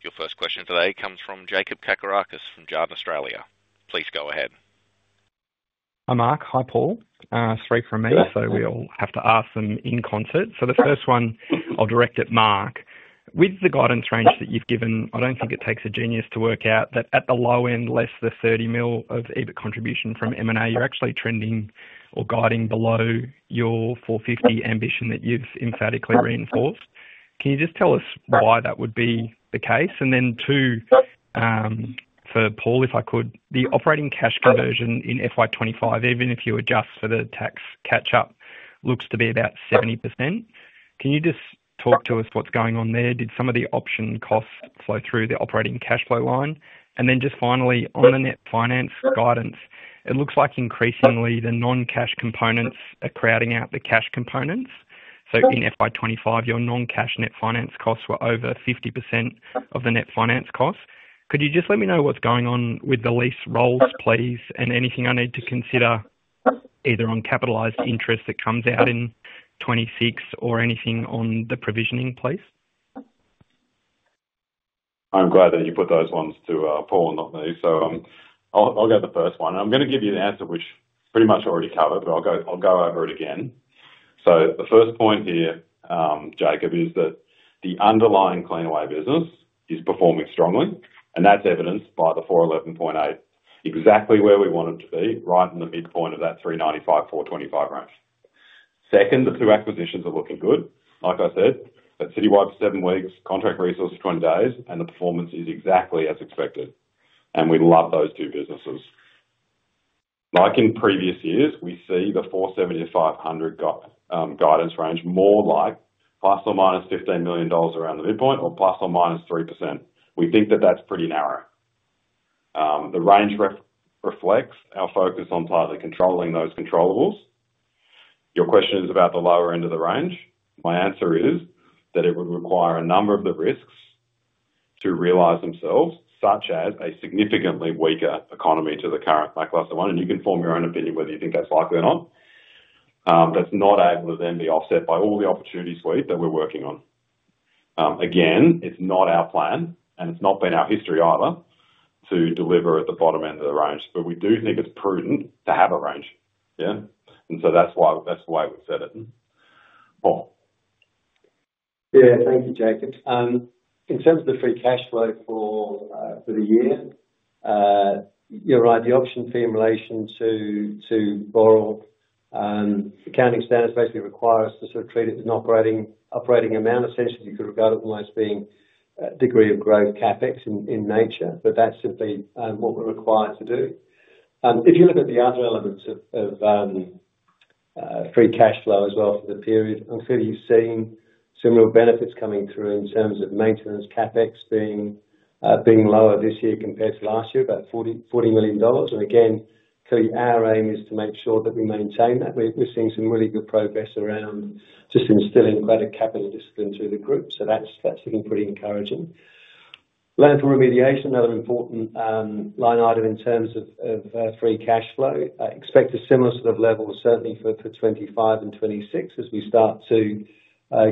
C: Your first question today comes from Jacob Kakarakis from Java, Australia. Please go ahead. Hi Mark, hi Paul. Three from me, so we'll have to ask them in concert. The first one, I'll direct at Mark. With the guidance range that you've given, I don't think it takes a genius to work out that at the low end, less than $30 million of EBIT contribution from M&A, you're actually trending or guiding below your $450 million ambition that you've emphatically reinforced. Can you just tell us why that would be the case? Two, for Paul, if I could, the operating cash conversion in FY 2025, even if you adjust for the tax catch-up, looks to be about 70%. Can you just talk to us what's going on there? Did some of the option costs flow through the operating cash flow line? Finally, on the net finance guidance, it looks like increasingly the non-cash components are crowding out the cash components. In FY 2025, your non-cash net finance costs were over 50% of the net finance costs. Could you just let me know what's going on with the lease roles, please, and anything I need to consider either on capitalized interest that comes out in 2026 or anything on the provisioning, please?
A: I'm glad that you put those ones to Paul, not me. I'll go to the first one. I'm going to give you an answer which pretty much already covered, but I'll go over it again. The first point here, Jacob, is that the underlying Cleanaway business is performing strongly, and that's evidenced by the $411.8 million, exactly where we want it to be, right in the midpoint of that $395 million, $425 million range. Second, the two acquisitions are looking good. Like I said, at Citywide for seven weeks, Contract Resources for 20 days, and the performance is exactly as expected. We love those two businesses. Like in previous years, we see the $475 million guidance range more like ±$15 million around the midpoint or ±3%. We think that that's pretty narrow. The range reflects our focus on tightly controlling those controllables. Your question is about the lower end of the range. My answer is that it would require a number of the risks to realize themselves, such as a significantly weaker economy to the current lackluster one. You can form your own opinion whether you think that's likely or not. That's not able to then be offset by all the opportunities we've that we're working on. It's not our plan, and it's not been our history either to deliver at the bottom end of the range. We do think it's prudent to have a range. Yeah. That's why we've said it.
B: Yeah, thank you, Jacob. In terms of the free cash flow for the year, you're right. The option fee in relation to borrow accounting standards basically require us to sort of treat it as an operating amount, essentially. You could regard it almost being a degree of growth CapEx in nature. That's simply what we're required to do. If you look at the other elements of free cash flow as well for the period, I'm sure you've seen similar benefits coming through in terms of maintenance CapEx being lower this year compared to last year, about $40 million. Our aim is to make sure that we maintain that. We're seeing some really good progress around just instilling a better capital discipline through the group. That's looking pretty encouraging. Landfill remediation, another important line item in terms of free cash flow. I expect a similar sort of level, certainly for 2025 and 2026, as we start to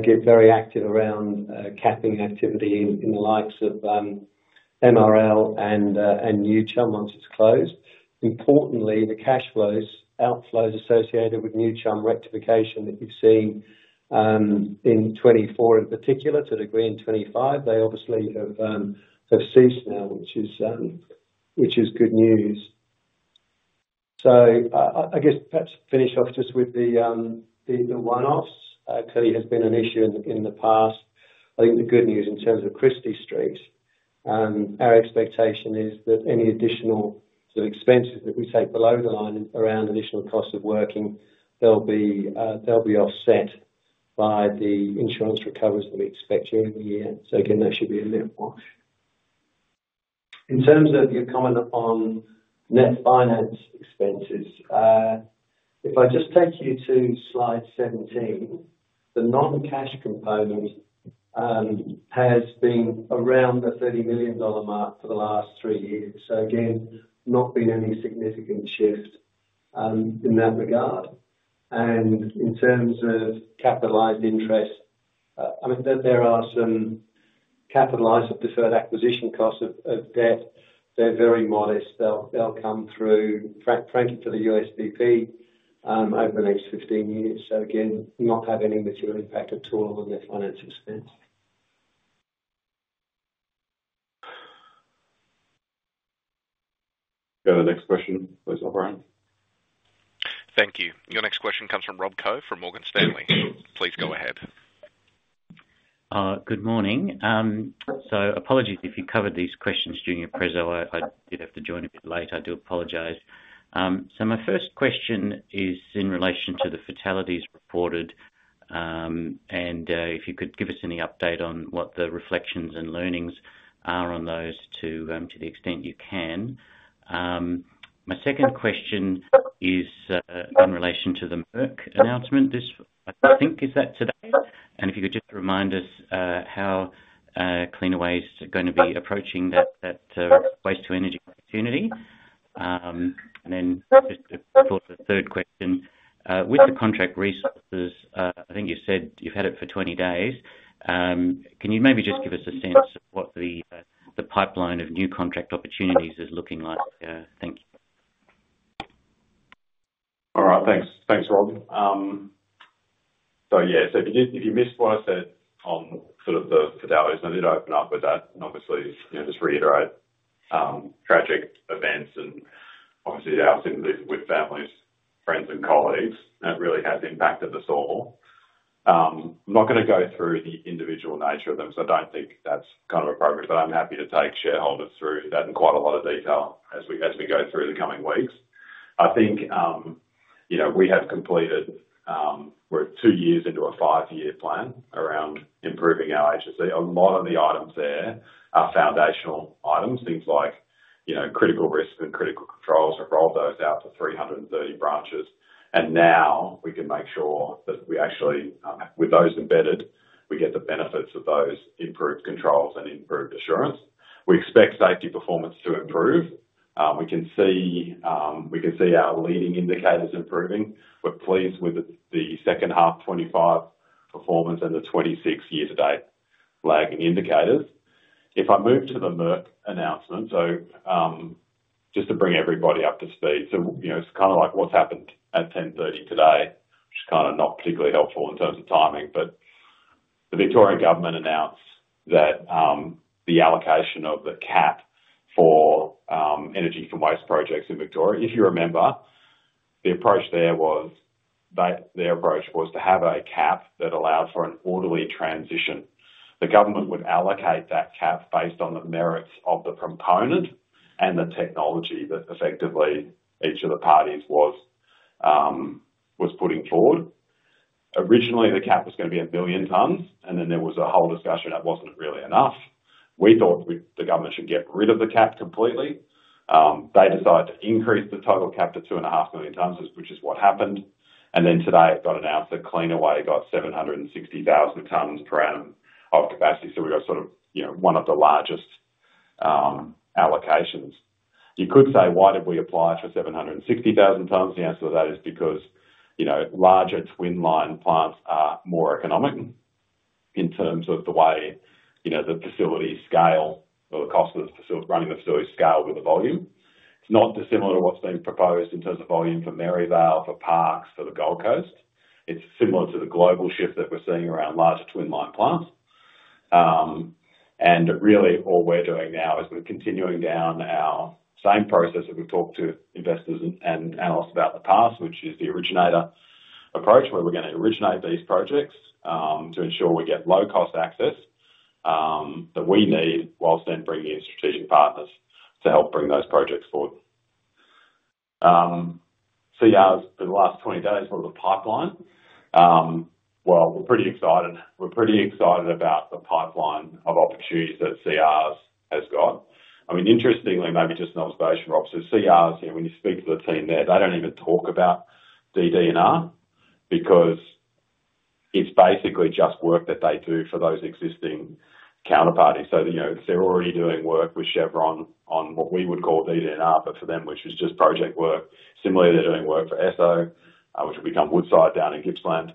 B: get very active around capping activity in the likes of MRL and New Chum once it's closed. Importantly, the cash flows, outflows associated with New Chum rectification that you've seen in 2024 in particular, to a degree in 2025, they obviously have ceased now, which is good news. I guess perhaps finish off just with the one-offs. Clearly, it has been an issue in the past. I think the good news in terms of Christie Street, our expectation is that any additional sort of expenses that we take below the line around additional cost of working, they'll be offset by the insurance recoveries that we expect during the year. Again, that should be a [net] one. In terms of your comment on net finance expenses, if I just take you to slide 17, the non-cash component has been around the $30 million mark for the last three years. Not been any significant shift in that regard. In terms of capitalized interest, there are some capitalized or deferred acquisition costs of debt. They're very modest. They'll come through, frankly, for the USDP over the next 15 years. Not have any material impact at all on their finance expense.
A: Next question, please go around.
C: Thank you. Your next question comes from Rob Coe from Morgan Stanley. Please go ahead.
D: Good morning. Apologies if you covered these questions earlier. I did have to join a bit late. I do apologize. My first question is in relation to the fatalities reported, and if you could give us any update on what the reflections and learnings are on those to the extent you can. My second question is in relation to the MERC announcement. I think, is that today? If you could just remind us how Cleanaway is going to be approaching that waste-to-energy opportunity. Then just a third question. With the Contract Resources, I think you said you've had it for 20 days. Can you maybe just give us a sense of what the pipeline of new contract opportunities is looking like? Thank you.
A: All right, thanks. Thanks, Rob. If you missed what I said on the fatalities, I did open up with that and obviously, just reiterate tragic events and our sympathy with families, friends, and colleagues. It really has impacted us all. I'm not going to go through the individual nature of them because I don't think that's appropriate, but I'm happy to take shareholders through that in quite a lot of detail as we go through the coming weeks. I think we have completed, we're two years into a five-year plan around improving our HSE. A lot of the items there are foundational items, things like critical risk and critical controls. We've rolled those out for 330 branches. Now we can make sure that we actually, with those embedded, get the benefits of those improved controls and improved assurance. We expect safety performance to improve. We can see our leading indicators improving. We're pleased with the second half 2025 performance, and the 2026 year-to-date lagging indicators. If I move to the MERC announcement, just to bring everybody up to speed. It's kind of like what's happened at 10:30 A.M. today, which is not particularly helpful in terms of timing. The Victorian Government announced that the allocation of the cap for energy-from-waste projects in Victoria, if you remember, the approach there was to have a cap that allowed for an orderly transition. The government would allocate that cap based on the merits of the component and the technology that effectively each of the parties was putting forward. Originally, the cap was going to be 1 million tonnes, and then there was a whole discussion that wasn't really enough. We thought the government should get rid of the cap completely. They decided to increase the total cap to 2.5 million tonnes, which is what happened. Today it got announced that Cleanaway got 760,000 tonnes per annum of capacity. We got one of the largest allocations. You could say, why did we apply for 760,000 tonnes? The answer to that is because larger twin line plants are more economic in terms of the way the facility scale or the cost of running the facility scales with the volume. It's not dissimilar to what's been proposed in terms of volume for Maryvale for parks for the Gold Coast. It's similar to the global shift that we're seeing around larger twin line plants. Really, all we're doing now is we're continuing down our same process that we've talked to investors and analysts about in the past, which is the originator approach where we're going to originate these projects to ensure we get low-cost access that we need whilst then bringing in strategic partners to help bring those projects forward. CR for the last 20 days, what are the pipeline? We're pretty excited. We're pretty excited about the pipeline of opportunities that CR has got. Interestingly, maybe just an observation, Rob. CR, you know, when you speak to the team there, they don't even talk about DD&R because it's basically just work that they do for those existing counterparties. If they're already doing work with Chevron on what we would call DD&R, but for them, which is just project work. Similarly, they're doing work for [Exxon], which will become Woodside down in Gippsland,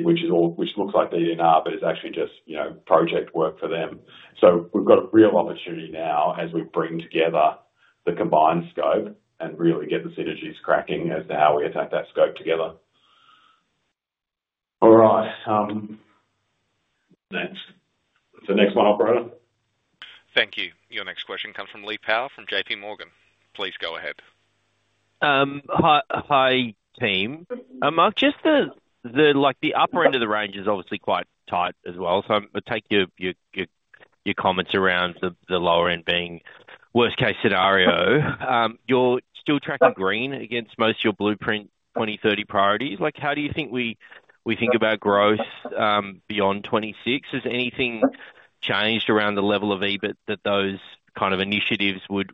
A: which looks like DD&R but is actually just project work for them. We've got a real opportunity now as we bring together the combined scope and really get the synergies cracking as now we attack that scope together. All right. The next one, operator?
C: Thank you. Your next question comes from Lee Power from JPMorgan. Please go ahead.
E: Hi team. Mark, just the upper end of the range is obviously quite tight as well. I'll take your comments around the lower end being worst-case scenario. You're still tracking green against most of your Blueprint 2030 priorities. How do you think we think about growth beyond 2026? Has anything changed around the level of EBIT that those kind of initiatives would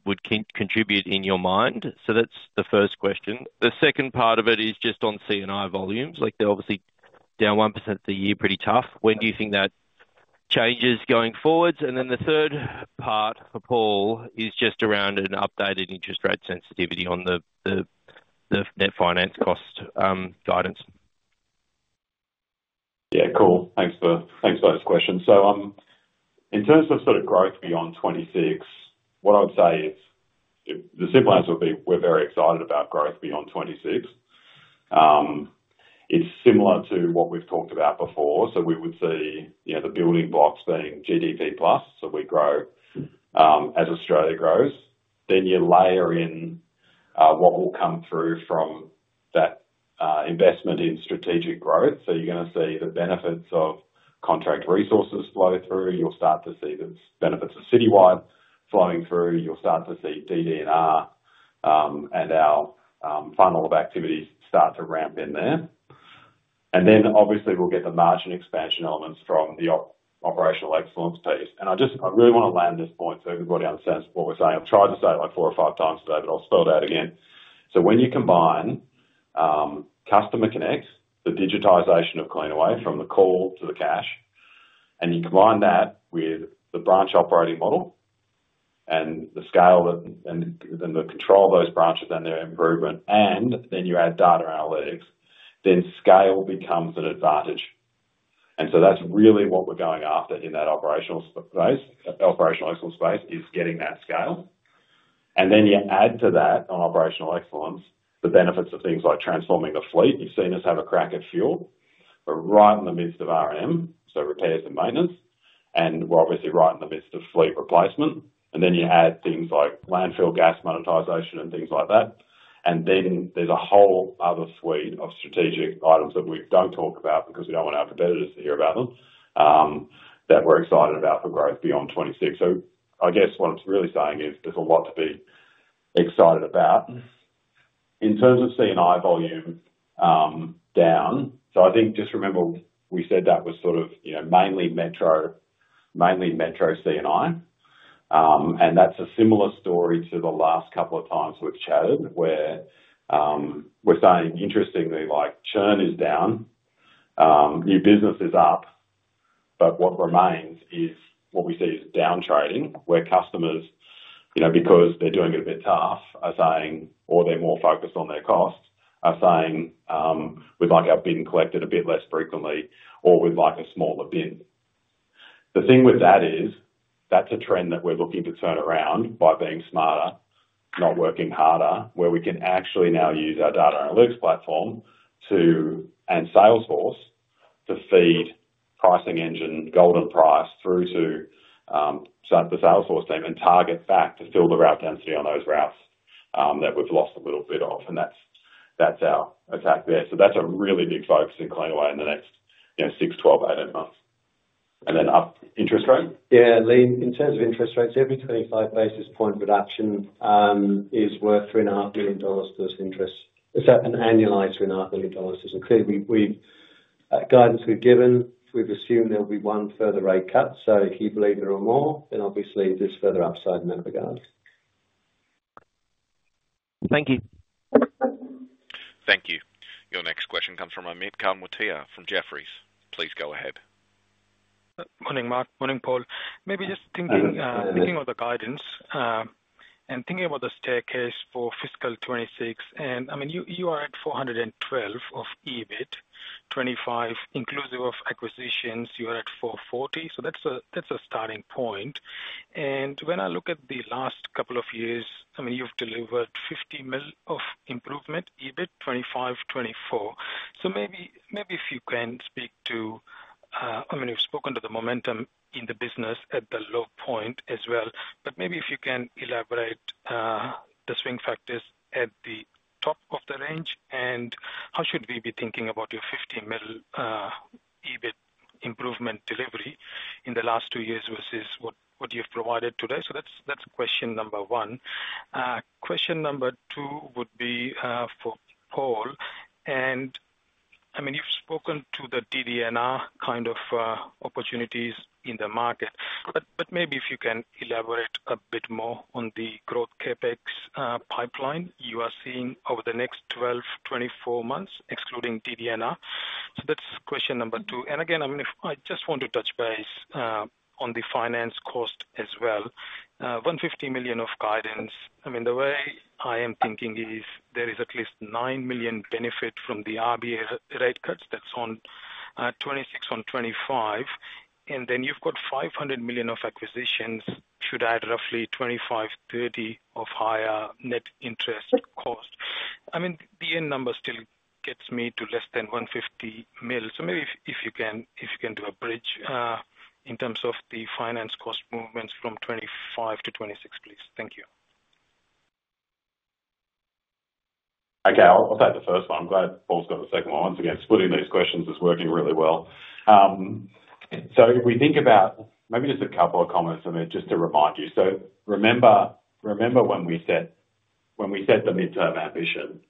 E: contribute in your mind? That's the first question. The second part of it is just on C&I volumes. They're obviously down 1% a year, pretty tough. When do you think that changes going forwards? The third part, Paul, is just around an updated interest rate sensitivity on the net finance cost guidance.
A: Yeah, cool. Thanks for those questions. In terms of sort of growth beyond 2026, what I would say is the simple answer would be we're very excited about growth beyond 2026. It's similar to what we've talked about before. We would see the building blocks being GDP plus, so we grow as Australia grows. Then you layer in what will come through from that investment in strategic growth. You're going to see the benefits of Contract Resources flow through. You'll start to see the benefits of Citywide flowing through. You'll start to see DD&R and our funnel of activities start to ramp in there. Obviously, we'll get the margin expansion elements from the operational excellence piece. I really want to land this point so everybody understands what we're saying. I've tried to say it like four or five times today, but I'll spell it out again. When you combine CustomerConnect, the digitization of Cleanaway from the call to the cash, and you combine that with the branch operating model and the scale and then the control of those branches and their improvement, and then you add data analytics, then scale becomes an advantage. That's really what we're going after in that operational space. Operational excellence space is getting that scale. You add to that on operational excellence the benefits of things like transforming the fleet. You've seen us have a crack at fuel. We're right in the midst of R&M, so repairs and maintenance. We're obviously right in the midst of fleet replacement. You add things like landfill gas monetization and things like that. There's a whole other suite of strategic items that we don't talk about because we don't want our competitors to hear about them that we're excited about for growth beyond 2026. I guess what it's really saying is there's a lot to be excited about. In terms of C&I volume down, just remember we said that was sort of mainly metro, mainly metro C&I. That's a similar story to the last couple of times we've chatted where we're saying interestingly, like churn is down, new business is up, but what remains is what we see is down trading where customers, because they're doing it a bit tough, are saying, or they're more focused on their cost, are saying, we'd like our bin collected a bit less frequently, or we'd like a smaller bin. The thing with that is that's a trend that we're looking to turn around by being smarter, not working harder, where we can actually now use our data analytics platform and Salesforce to feed pricing engine golden price through to the Salesforce team and target back to fill the route density on those routes that we've lost a little bit of. That's our attack there. That's a really big focus in Cleanaway in the next six, 12, 18 months, then up interest rate.
B: Yeah, Lee, in terms of interest rates, every 25 basis point reduction is worth $3.5+ billion interest. An annualized $3.5 billion isn't clear. Guidance we've given, we've assumed there'll be one further rate cut. If you believe there are more, then obviously there's further upside in that regard.
E: Thank you.
C: Thank you. Your next question comes from Amit Kanwatia from Jefferies. Please go ahead.
F: Morning Mark, morning Paul. Maybe just thinking of the guidance and thinking about the staircase for fiscal 2026. I mean, you are at $412 million of EBIT, 2025 inclusive of acquisitions. You are at $440 million, so that's a starting point. When I look at the last couple of years, I mean, you've delivered $50 million of improvement, EBIT 2025, 2024. Maybe if you can speak to, I mean, you've spoken to the momentum in the business at the low point as well. Maybe if you can elaborate the swing factors at the top of the range and how should we be thinking about your $50 million EBIT improvement delivery in the last two years versus what you've provided today? That's question number one. Question number two would be for Paul. I mean, you've spoken to the DD&R kind of opportunities in the market. Maybe if you can elaborate a bit more on the growth CapEx pipeline you are seeing over the next 12, 24 months, excluding DD&R. That's question number two. Again, I just want to touch base on the finance cost as well. $150 million of guidance. I mean, the way I am thinking is there is at least $9 million benefit from the RBA rate cuts that's on 2026 on 2025. Then you've got $500 million of acquisitions should add roughly $25 million, $30 million of higher net interest cost. I mean, the end number still gets me to less than $150 million. Maybe if you can do a bridge in terms of the finance cost movements from 2025 to 2026, please. Thank you.
A: Okay, I'll take the first one. I'm glad Paul's got the second one. Once again, splitting these questions is working really well. If we think about, maybe just a couple of comments for me just to remind you. Remember when we set the mid-term ambition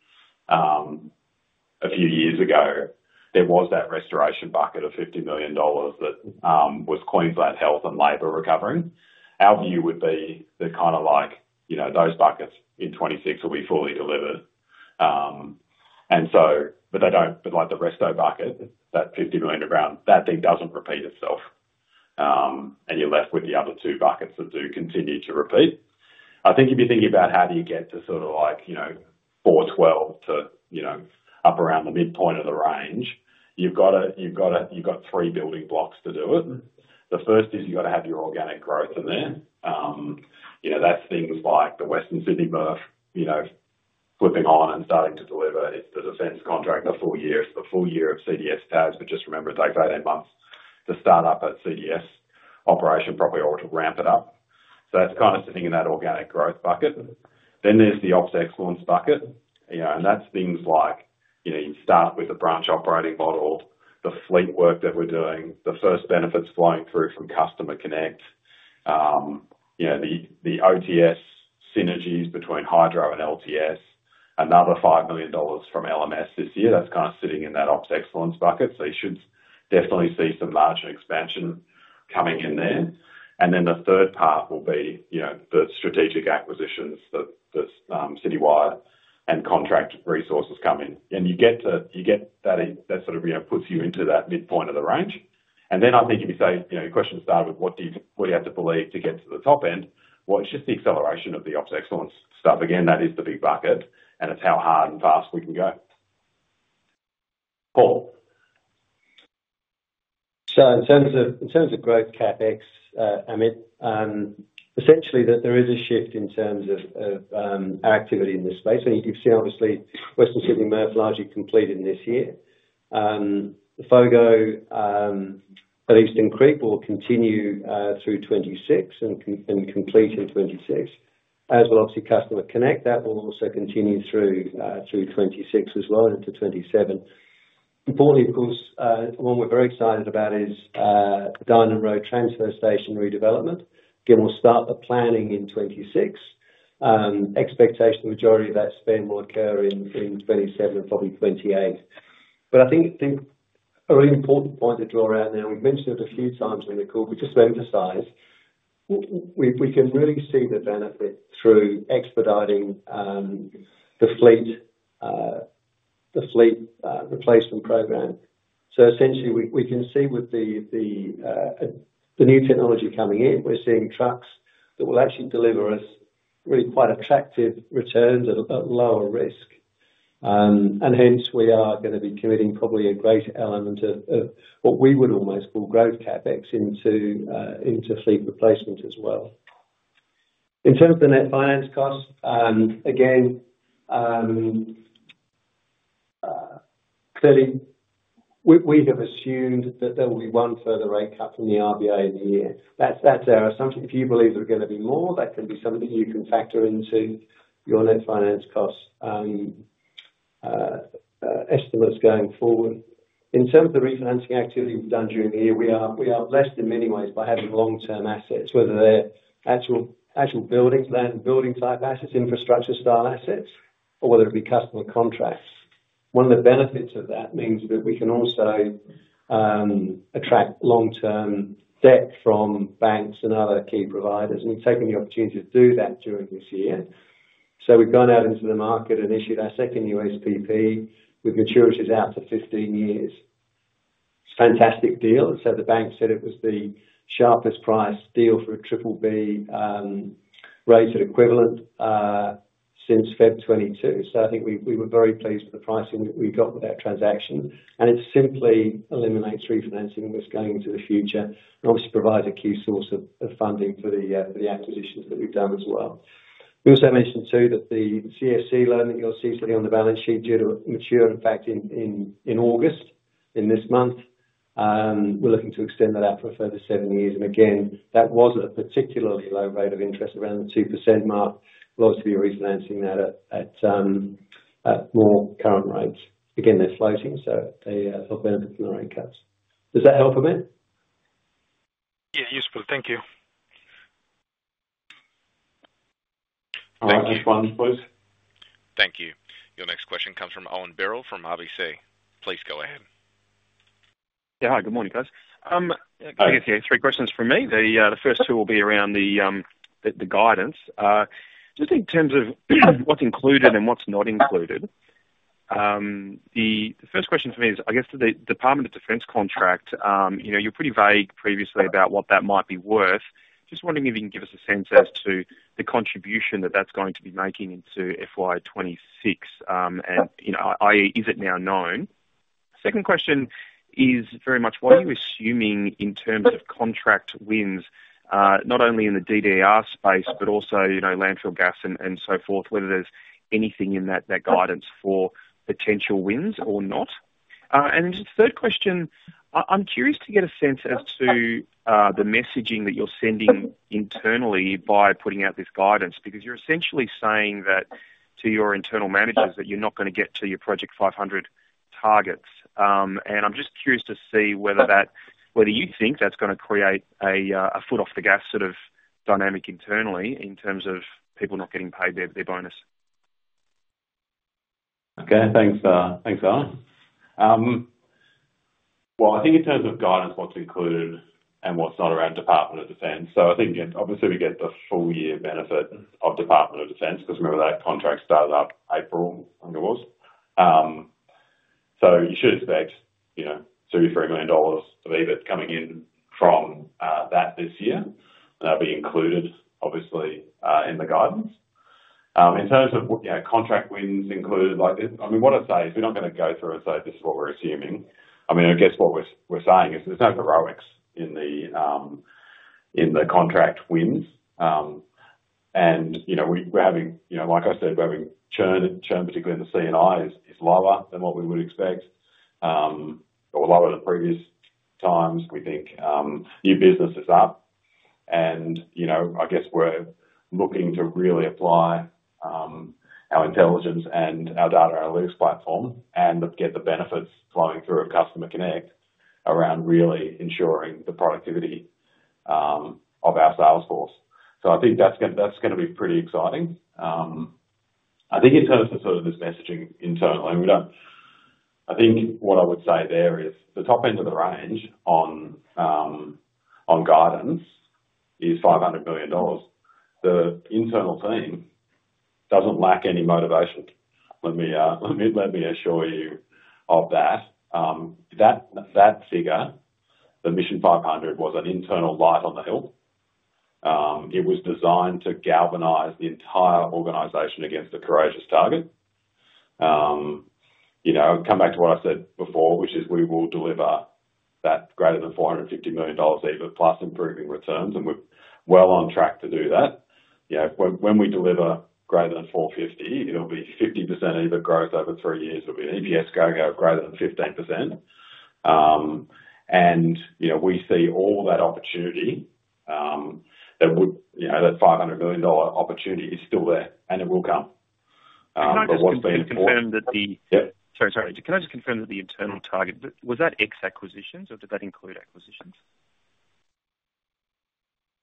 A: a few years ago, there was that restoration bucket of $50 million that was Queensland health and labor recovering. Our view would be that kind of like, you know, those buckets in 2026 will be fully delivered. They don't, but like the restoration bucket, that $50 million to ground, that thing doesn't repeat itself. You're left with the other two buckets that do continue to repeat. I think if you're thinking about how do you get to sort of like, you know, $412 million to, you know, up around the midpoint of the range, you've got three building blocks to do it. The first is you've got to have your organic growth in there. That's things like the Western Sydney MRF, you know, flipping on and starting to deliver. It's the defense contract, the full year. It's the full year of CDS Tas, but just remember those 18 months to start up a CDS operation properly or to ramp it up. That's kind of sitting in that organic growth bucket. Then there's the ops excellence bucket, and that's things like, you know, you start with the branch operating model, the fleet work that we're doing, the first benefits flowing through from CustomerConnect, the OTS synergies between Hydro and LTS, another $5 million from LMS this year. That's kind of sitting in that ops excellence bucket. You should definitely see some margin expansion coming in there. The third part will be the strategic acquisitions, the Citywide and Contract Resources come in. You get to, you get that, that sort of, you know, puts you into that midpoint of the range. I think if you say, you know, your question started with what do you have to believe to get to the top end? It's just the acceleration of the ops excellence stuff. Again, that is the big bucket and it's how hard and fast we can go. Paul?
B: In terms of growth CapEx, Amit, essentially there is a shift in terms of activity in this space. I think you've seen obviously Western Sydney MRF largely completed in this year. The FOGO at Eastern Creek will continue through 2026 and complete in 2026. As well, obviously, CustomerConnect, that will also continue through 2026 as well and into 2027. Importantly, of course, one we're very excited about is the Diamond Road Transfer Station redevelopment. We'll start the planning in 2026. Expectation is the majority of that spend will occur in 2027 and probably 2028. I think an important point to draw out now, we've mentioned it a few times in the call, but just to emphasize, we can really see the benefit through expediting the fleet replacement program. Essentially, we can see with the new technology coming in, we're seeing trucks that will actually deliver us really quite attractive returns at a lower risk. Hence, we are going to be committing probably a greater element of what we would almost call growth CapEx into fleet replacement as well. In terms of the net finance costs, again, clearly, we have assumed that there will be one further rate cut from the RBA in a year. That's our assumption. If you believe there are going to be more, that can be something that you can factor into your net finance cost estimates going forward. In terms of the refinancing activity we've done during the year, we are blessed in many ways by having long-term assets, whether they're actual building, land building type assets, infrastructure style assets, or whether it be customer contracts. One of the benefits of that means that we can also attract long-term debt from banks, another of our key providers, and we've taken the opportunity to do that during this year. We've gone out into the market and issued our second USPP with maturities out for 15 years. It's a fantastic deal. The bank said it was the sharpest price deal for a BBB rated equivalent since Feb 2022. I think we were very pleased with the pricing we got with that transaction. It simply eliminates refinancing and was going into the future. It obviously provides a key source of funding for the acquisitions that we've done as well. We also mentioned too that the CFC loan that you'll see sitting on the balance sheet due to mature, in fact, in August, in this month, we're looking to extend that out for a further seven years. That was a particularly low rate of interest around the 2% mark. We'll obviously be refinancing that at more current rates. They're floating, so they'll benefit from the rate cuts. Does that help a bit?
F: Yeah, useful. Thank you.
A: Next one, please.
C: Thank you. Your next question comes from [Owen Boral] from RBC. Please go ahead. Yeah, hi, good morning guys. I guess you have three questions for me. The first two will be around the guidance. Just in terms of what's included and what's not included, the first question for me is, I guess for the Department of Defence contract, you were pretty vague previously about what that might be worth. Just wondering if you can give us a sense as to the contribution that that's going to be making into FY 2026, and, you know, i.e., is it now known? Second question is very much what you're assuming in terms of contract wins, not only in the DDR space, but also, you know, landfill gas and so forth, whether there's anything in that guidance for potential wins or not. Then just the third question, I'm curious to get a sense as to the messaging that you're sending internally by putting out this guidance, because you're essentially saying that to your internal managers that you're not going to get to your Project 500 targets. I'm just curious to see whether you think that's going to create a foot off the gas sort of dynamic internally in terms of people not getting paid their bonus.
A: Okay, thanks, Owen. I think in terms of guidance, what's included and what's not around Department of Defence. I think obviously we get the full year benefit of Department of Defence because remember that contract started up April, I think it was. You should expect $2 million-$3 million of EBIT coming in from that this year. That'll be included obviously in the guidance. In terms of what contract wins included, like I mean, what I'd say is we're not going to go through and say this is what we're assuming. I guess what we're saying is there's no heroics in the contract wins. We're having churn, particularly in the C&I, is lower than what we would expect. It is lower than previous times. We think new business is up. I guess we're looking to really apply our intelligence and our data analytics platform and get the benefits flowing through at CustomerConnect around really ensuring the productivity of our sales force. I think that's going to be pretty exciting. I think in terms of sort of this messaging internally, what I would say there is the top end of the range on guidance is $500 million. The internal team doesn't lack any motivation. Let me assure you of that. That figure, the Mission 500, was an internal light on the hill. It was designed to galvanize the entire organization against a courageous target. I come back to what I said before, which is we will deliver that greater than $450 million EBIT plus improving returns, and we're well on track to do that. When we deliver greater than $450 million, it'll be 50% EBIT growth over three years. It'll be an EPS going up greater than 15%. We see all that opportunity. That $500 million opportunity is still there, and it will come. Can I just confirm that the internal target, was that ex-acquisitions or did that include acquisitions?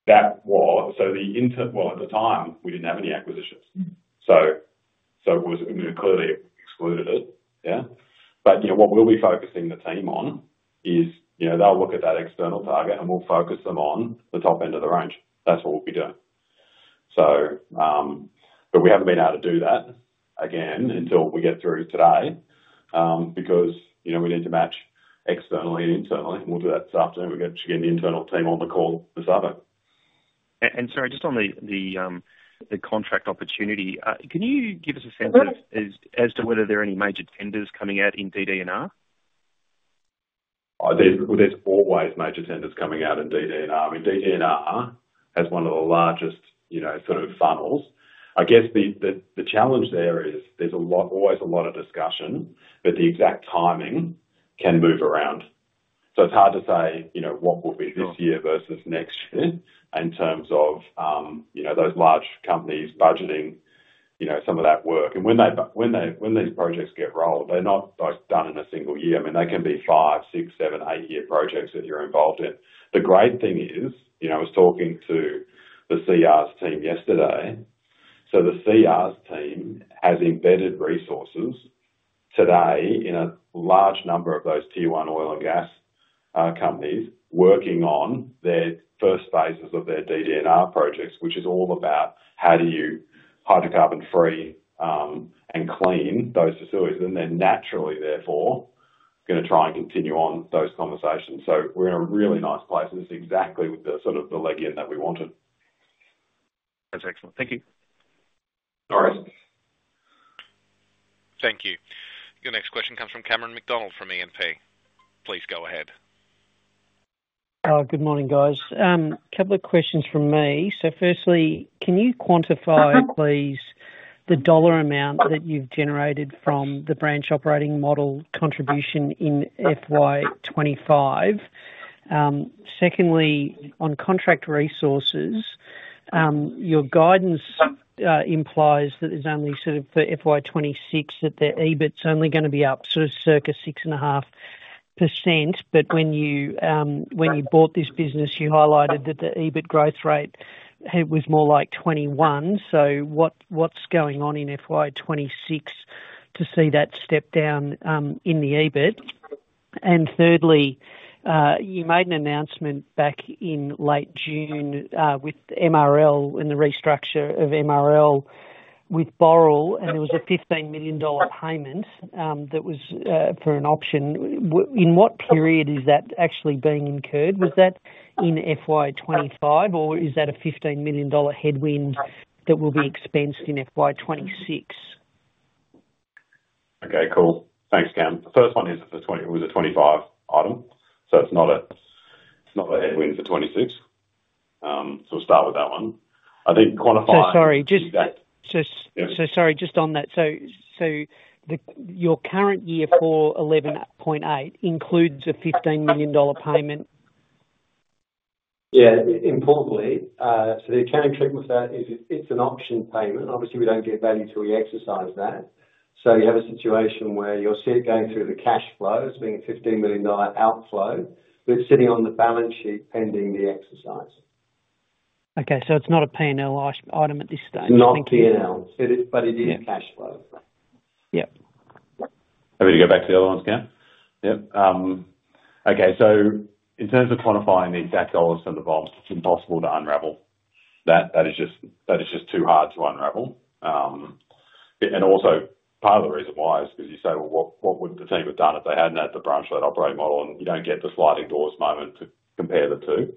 A: At the time, we didn't have any acquisitions, so it was clearly excluded. What we'll be focusing the team on is they'll look at that external target, and we'll focus them on the top end of the range. That's what we'll be doing. We haven't been able to do that again until we get through today, because we need to match externally and internally. We'll do that this afternoon. We'll get the internal team on the call this afternoon. Sorry, just on the contract opportunity, can you give us a sense as to whether there are any major tenders coming out in DD&R? are always major tenders coming out in DD&R. DD&R has one of the largest, you know, sort of funnels. I guess the challenge there is there's always a lot of discussion, but the exact timing can move around. It's hard to say what will be this year versus next year in terms of those large companies budgeting some of that work. When these projects get rolled, they're not done in a single year. They can be five, six, seven, eight-year projects that you're involved in. The great thing is, I was talking to the CR team yesterday. The CR team has embedded resources today in a large number of those Tier 1 oil and gas companies working on their first phases of their DD&R projects, which is all about how do you hydrocarbon-free and clean those facilities. Naturally, therefore, going to try and continue on those conversations. We're in a really nice place, and this is exactly the sort of leg in that we wanted. That's excellent. Thank you. No worries. Thank you. Your next question comes from Cameron McDonald from E&P. Please go ahead.
G: Good morning, guys. A couple of questions from me. Firstly, can you quantify, please, the dollar amount that you've generated from the branch operating model contribution in FY 2025? Secondly, on Contract Resources, your guidance implies that for FY 2026 the EBIT's only going to be up circa 6.5%. When you bought this business, you highlighted that the EBIT growth rate was more like 21%. What's going on in FY 2026 to see that step down in the EBIT? Thirdly, you made an announcement back in late June with MRL and the restructure of MRL with Boral, and there was a $15 million payment that was for an option. In what period is that actually being incurred? Was that in FY 2025, or is that a $15 million headwind that will be expensed in FY 2026?
A: Okay, cool. Thanks, Cam. The first one is a 2025 item. It's not a headwind for 2026. We'll start with that one. I think quantifying that.
G: Sorry, just on that. Your current year, [$411.8 million], includes a $15 million payment?
B: Importantly, the accounting treatment for that is it's an option payment. Obviously, we don't get value until we exercise that. You have a situation where you're going through the cash flows, being a $15 million outflow, but it's sitting on the balance sheet pending the exercise.
G: Okay, so it's not a P&L item at this stage?
B: Not a P&L, but it is cash flow.
A: Happy to go back to the other ones, Cam. Yep. Okay, in terms of quantifying the exact dollars to the ball, it's impossible to unravel. That is just too hard to unravel. Also, part of the reason why is because you say, what would the team have done if they hadn't had the branch-led operating model? You don't get the sliding doors moment to compare the two.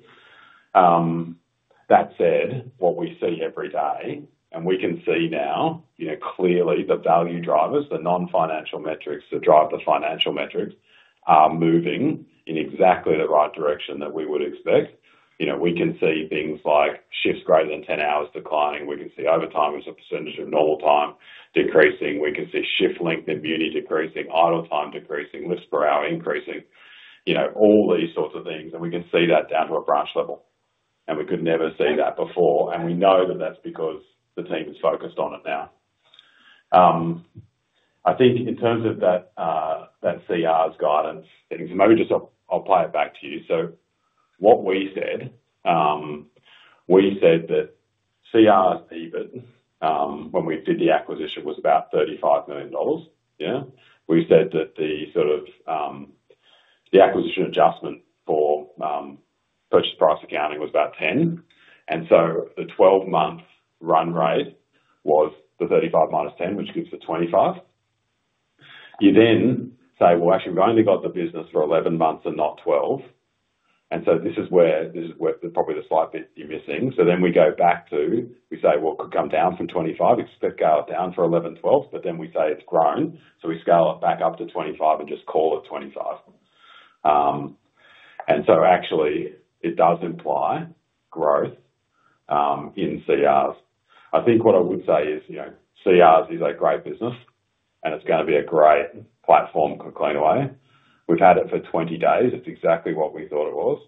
A: That said, what we see every day, and we can see now, clearly the value drivers, the non-financial metrics that drive the financial metrics are moving in exactly the right direction that we would expect. We can see things like shifts greater than 10 hours declining. We can see overtime as a percentage of normal time decreasing. We can see shift length immunity decreasing, idle time decreasing, lifts per hour increasing, all these sorts of things. We can see that down to a branch level. We could never see that before. We know that that's because the team is focused on it now. I think in terms of that CR guidance, maybe just I'll play it back to you. We said that CR's EBIT when we did the acquisition was about $35 million. We said that the sort of the acquisition adjustment for purchase price accounting was about $10 million. The 12-month run rate was the $35 million - $10 million, which gives you $25 million. You then say, actually we've only got the business for 11 months and not 12. This is where probably the slight bit you're missing. We go back to, we say, it could come down from $25 million. It's scaled down for 11/12, but then we say it's grown. We scale it back up to $25 million and just call it $25 million. It does imply growth in CR. I think what I would say is CR is a great business and it's going to be a great platform for Cleanaway. We've had it for 20 days. It's exactly what we thought it was.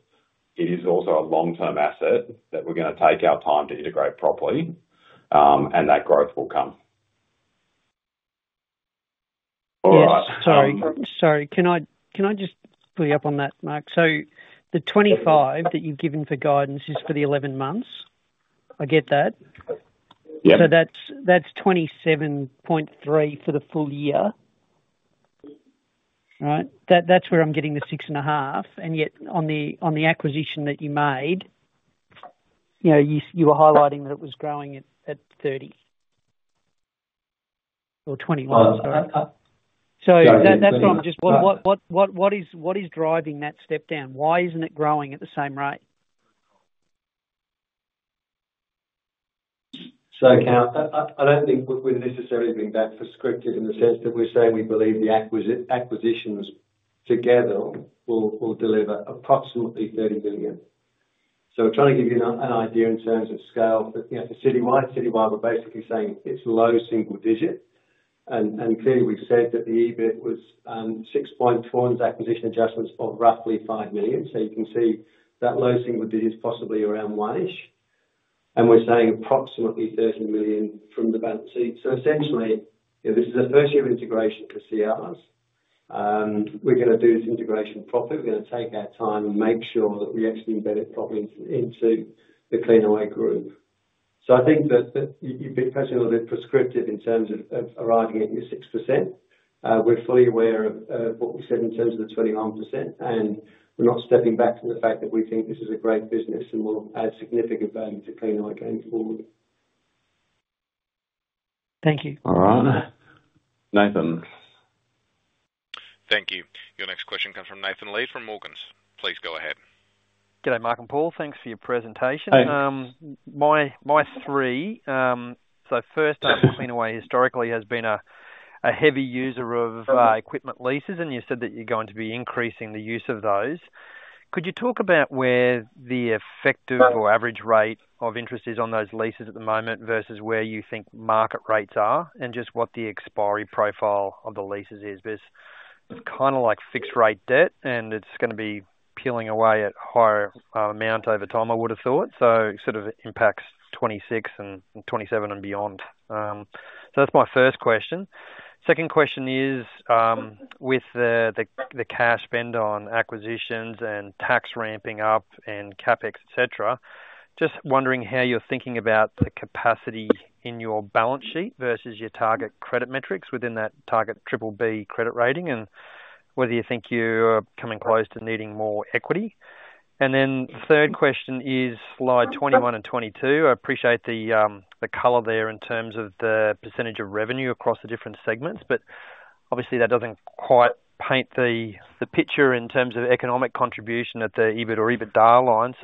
A: It is also a long-term asset that we're going to take our time to integrate properly. That growth will come.
G: All right. Can I just pull you up on that, Mark? The $25 million that you've given for guidance is for the 11 months. I get that. That's 27.3 for the full year, right? That's where I'm getting the 6.5. Yet on the acquisition that you made, you were highlighting that it was growing at 30% or 21%. That's what I'm just, what is driving that step down? Why isn't it growing at the same rate?
B: Cam, I don't think we're necessarily being that prescriptive in the sense that we're saying we believe the acquisitions together will deliver approximately $30 million. I'm trying to give you an idea in terms of scale. For Citywide, Citywide were basically saying it's low single digit. Clearly we've said that the EBIT was $6.1 million, acquisition adjustments of roughly $5 million. You can see that low single digit is possibly around one-ish. We're saying approximately $30 million from the balance sheet. Essentially, this is a version of integration for CR. We're going to do this integration properly. We're going to take our time and make sure that we actually embed it properly into the Cleanaway group. I think that you've been perhaps a little bit prescriptive in terms of arriving at your 6%. We're fully aware of what was said in terms of the 21%. We're not stepping back from the fact that we think this is a great business and will add significant value to Cleanaway going forward.
G: Thank you.
A: All right.
C: Thank you. Your next question comes from Nathan Lee from Morgan's. Please go ahead.
H: G'day, Mark and Paul. Thanks for your presentation. My three. First up, Cleanaway historically has been a heavy user of equipment leases, and you said that you're going to be increasing the use of those. Could you talk about where the effective or average rate of interest is on those leases at the moment versus where you think market rates are, and just what the expiry profile of the leases is? It's kind of like fixed rate debt, and it's going to be peeling away at a higher amount over time, I would have thought. It sort of impacts 2026 and 2027 and beyond. That's my first question. Second question is, with the cash spend on acquisitions and tax ramping up and CapEx, et cetera, just wondering how you're thinking about the capacity in your balance sheet versus your target credit metrics within that target BBB credit rating and whether you think you're coming close to needing more equity. Third question is slide 21 and 22. I appreciate the color there in terms of the percentage of revenue across the different segments, but obviously that doesn't quite paint the picture in terms of economic contribution at the EBIT or EBITDA line.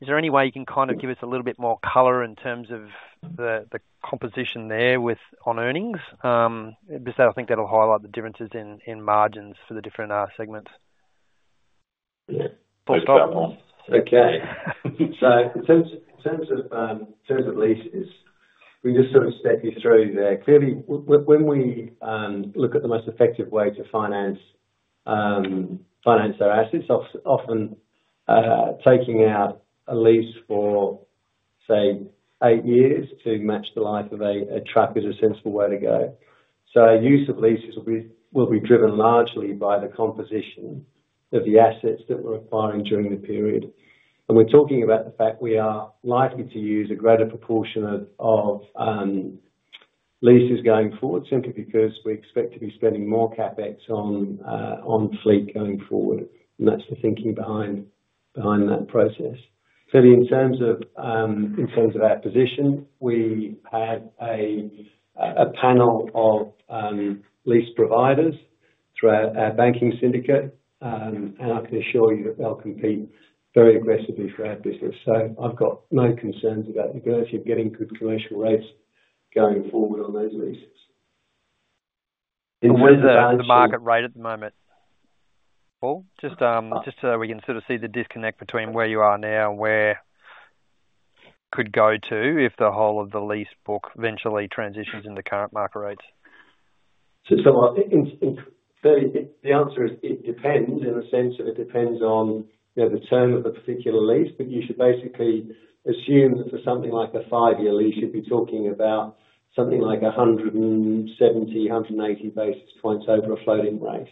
H: Is there any way you can give us a little bit more color in terms of the composition there with on earnings? I think that'll highlight the differences in margins for the different segments.
B: Okay. In terms of leases, we can just sort of step you through there. Clearly, when we look at the most effective way to finance our assets, often taking out a lease for, say, eight years to match the life of a truck is a sensible way to go. Our use of leases will be driven largely by the composition of the assets that we're acquiring during the period. We're talking about the fact we are likely to use a greater proportion of leases going forward simply because we expect to be spending more CapEx on fleet going forward. That's the thinking behind that process. Clearly, in terms of our position, we have a panel of lease providers through our banking syndicate, and I can assure you that they'll compete very aggressively for our business. I've got no concerns about the ability of getting good commercial rates going forward on those leases.
H: Where's the market rate at the moment, Paul? Just so we can sort of see the disconnect between where you are now and where it could go to if the whole of the lease book eventually transitions into current market rates.
B: It's fairly, the answer is it depends in the sense that it depends on the term of the particular lease, but you should basically assume that for something like a five-year lease, you'd be talking about something like 170, 180 basis points over a floating rate.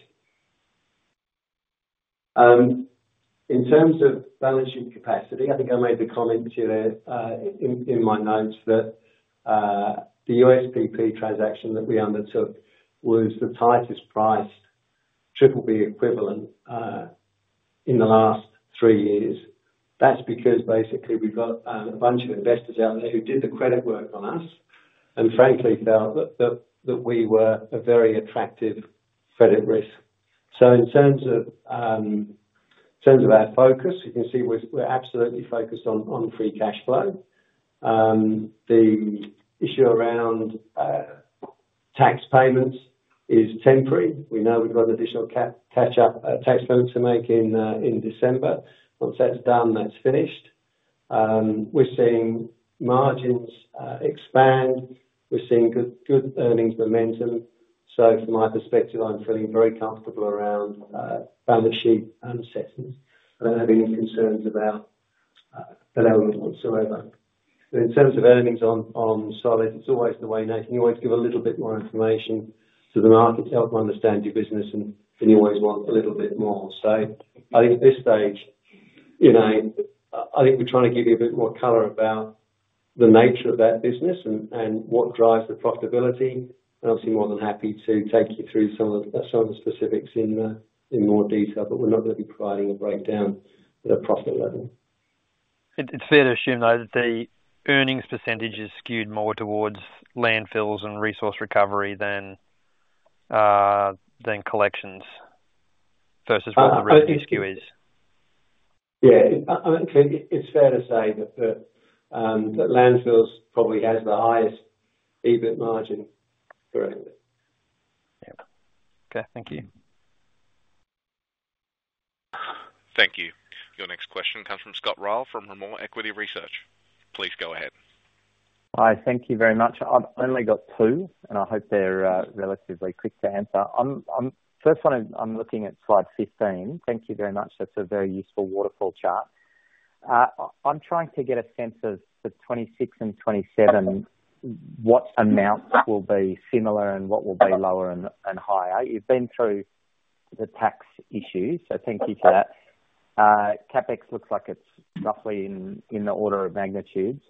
B: In terms of balance sheet capacity, I think I made the comment to you there in my notes that the USPP transaction that we undertook was the tightest priced BBB equivalent in the last three years. That's because basically we've got a bunch of investors out there who did the credit work on us. Frankly, they'll look that we were a very attractive credit risk. In terms of our focus, you can see we're absolutely focused on free cash flow. The issue around tax payments is temporary. We know we've got an additional catch-up tax payments to make in December. Once that's done, that's finished. We're seeing margins expand. We're seeing good earnings momentum. From my perspective, I'm feeling very comfortable around balance sheet assets. I don't have any concerns about that element whatsoever. In terms of earnings on solids, it's always the way now. Can you always give a little bit more information to the market to help them understand your business? Can you always want a little bit more? I think at this stage, I think we're trying to give you a bit more color about the nature of that business and what drives the profitability. I'm obviously more than happy to take you through some of the specifics in more detail, but we're not going to be providing a breakdown at a profit level.
H: It's fair to assume though that the earnings percentage is skewed more towards landfills and resource recovery than collections versus what the risk issue is.
B: Yeah, I think it's fair to say that landfills probably has the highest EBIT margin.
H: Yeah, okay. Thank you.
C: Thank you. Your next question comes from Scott Ryall from Rimor Equity Research. Please go ahead.
I: Hi, thank you very much. I've only got two, and I hope they're relatively quick to answer. First one, I'm looking at slide 15. Thank you very much. That's a very useful waterfall chart. I'm trying to get a sense of the 2026 and 2027, what amount will be similar and what will be lower and higher. You've been through the tax issues, so thank you for that. CapEx looks like it's roughly in the order of magnitude.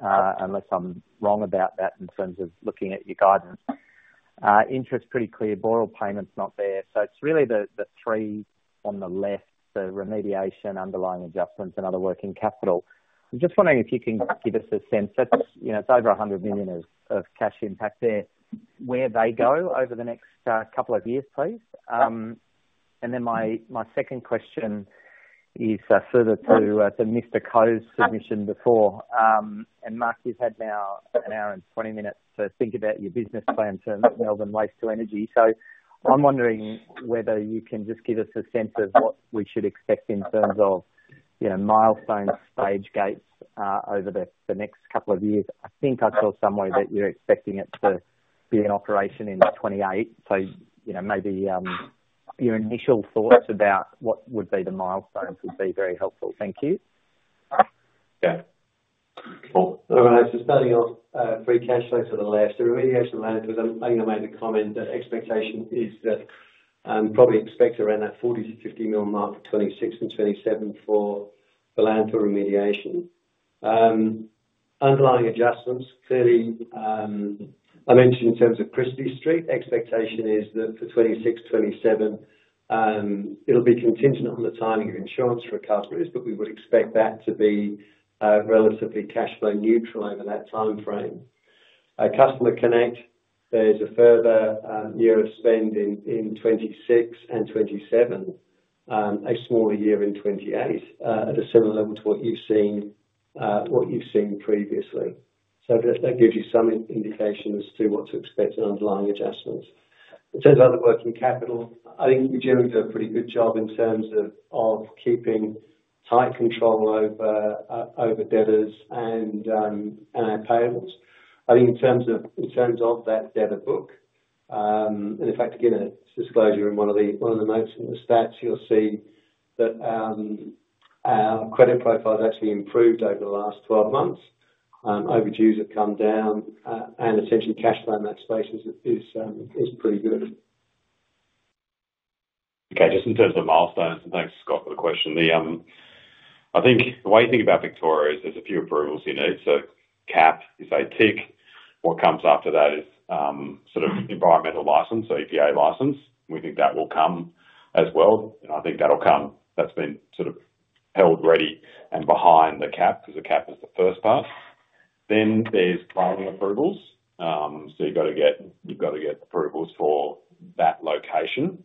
I: Unless I'm wrong about that in terms of looking at your guidance, interest is pretty clear. Boral payment's not there. It's really the three on the left, the remediation, underlying adjustments, and other working capital. I'm just wondering if you can give us a sense, it's over $100 million of cash impact there, where they go over the next couple of years, please. My second question is further to Mr. Coe's submission before. Mark, you've had now an hour and 20 minutes to think about your business plan to not melt and waste your energy. I'm wondering whether you can just give us a sense of what we should expect in terms of milestones, stage gates over the next couple of years. I think I saw somewhere that you're expecting it to be in operation in 2028. Maybe your initial thoughts about what would be the milestones would be very helpful. Thank you.
B: Okay. I'm going to actually start off free cash flow to the left. The remediation land was only made a comment that expectation is that probably expect around that $40 million-$50 million mark for 2026 and 2027 for the land to remediation. Underlying adjustments, clearly, I mentioned in terms of Christie Street, expectation is that for 2026, 2027, it'll be contingent on the timing of insurance recovery, but we would expect that to be relatively cash flow neutral over that timeframe. CustomerConnect, there's a further year of spend in 2026 and 2027, a smaller year in 2028 at a similar level to what you've seen previously. That gives you some indications to what to expect in underlying adjustments. In terms of other working capital, I think we generally do a pretty good job in terms of keeping tight control over debtors and our payables. I think in terms of that debtor book, and in fact, again, a disclosure in one of the notes in the stats, you'll see that our credit profile has actually improved over the last 12 months. Overdues have come down, and essentially cash flow in that space is pretty good.
A: Okay, just in terms of milestones, thanks Scott for the question. I think the way you think about Victoria is there's a few approvals you need. CAP, you say tick. What comes after that is sort of environmental license or EPA license. We think that will come as well. I think that'll come. That's been sort of held ready and behind the CAP because the CAP is the first part. There are planning approvals. You've got to get approvals for that location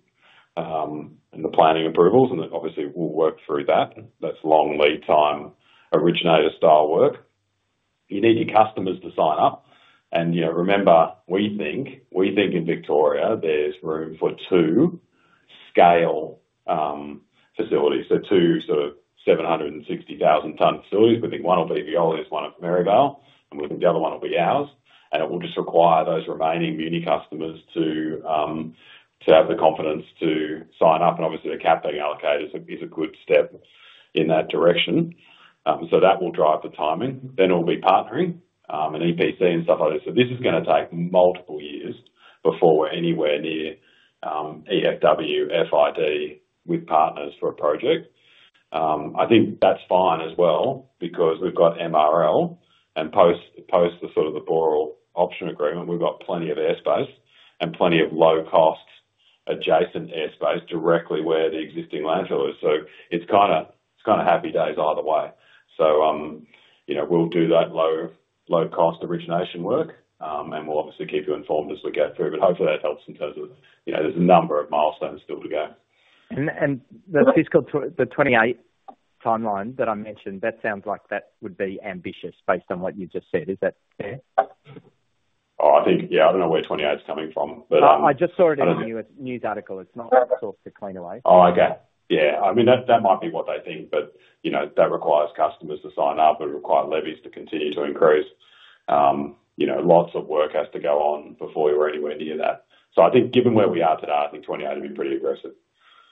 A: and the planning approvals, and obviously we'll work through that. That's long lead time originator style work. You need your customers to sign up. You know, remember, we think in Victoria, there's room for two scale facilities. There are two sort of 760,000 ton facilities. We think one will be the oldest one of Maryvale and we think the other one will be ours. It will just require those remaining muni customers to have the confidence to sign up. Obviously, the CAP being allocated is a good step in that direction. That will drive the timing. It will be partnering and EPC and stuff like this. This is going to take multiple years before we're anywhere near EfW FID with partners for a project. I think that's fine as well because we've got MRL and post the sort of the borrow option agreement. We've got plenty of airspace and plenty of low cost adjacent airspace directly where the existing landfill is. It's kind of happy days either way. We'll do that low low cost origination work and we'll obviously keep you informed as we go through. Hopefully that helps in terms of, you know, there's a number of milestones still to go.
I: The fiscal 2028 timeline that I mentioned, that sounds like that would be ambitious based on what you just said. Is that fair?
A: I think, yeah, I don't know where 2028 is coming from.
I: I just saw it in the news article. It's [not talked] to Cleanaway.
A: Yeah, I mean, that might be what they think, but you know, that requires customers to sign up. It requires levies to continue to increase. Lots of work has to go on before you're anywhere near that. I think given where we are today, I think 2028 would be pretty aggressive.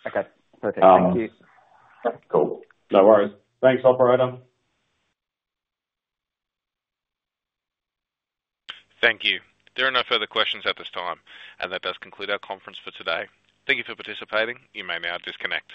I: Okay, perfect. Thank you.
A: Cool.
B: No worries. Thanks, operator.
C: Thank you. There are no further questions at this time, and that does conclude our conference for today. Thank you for participating. You may now disconnect.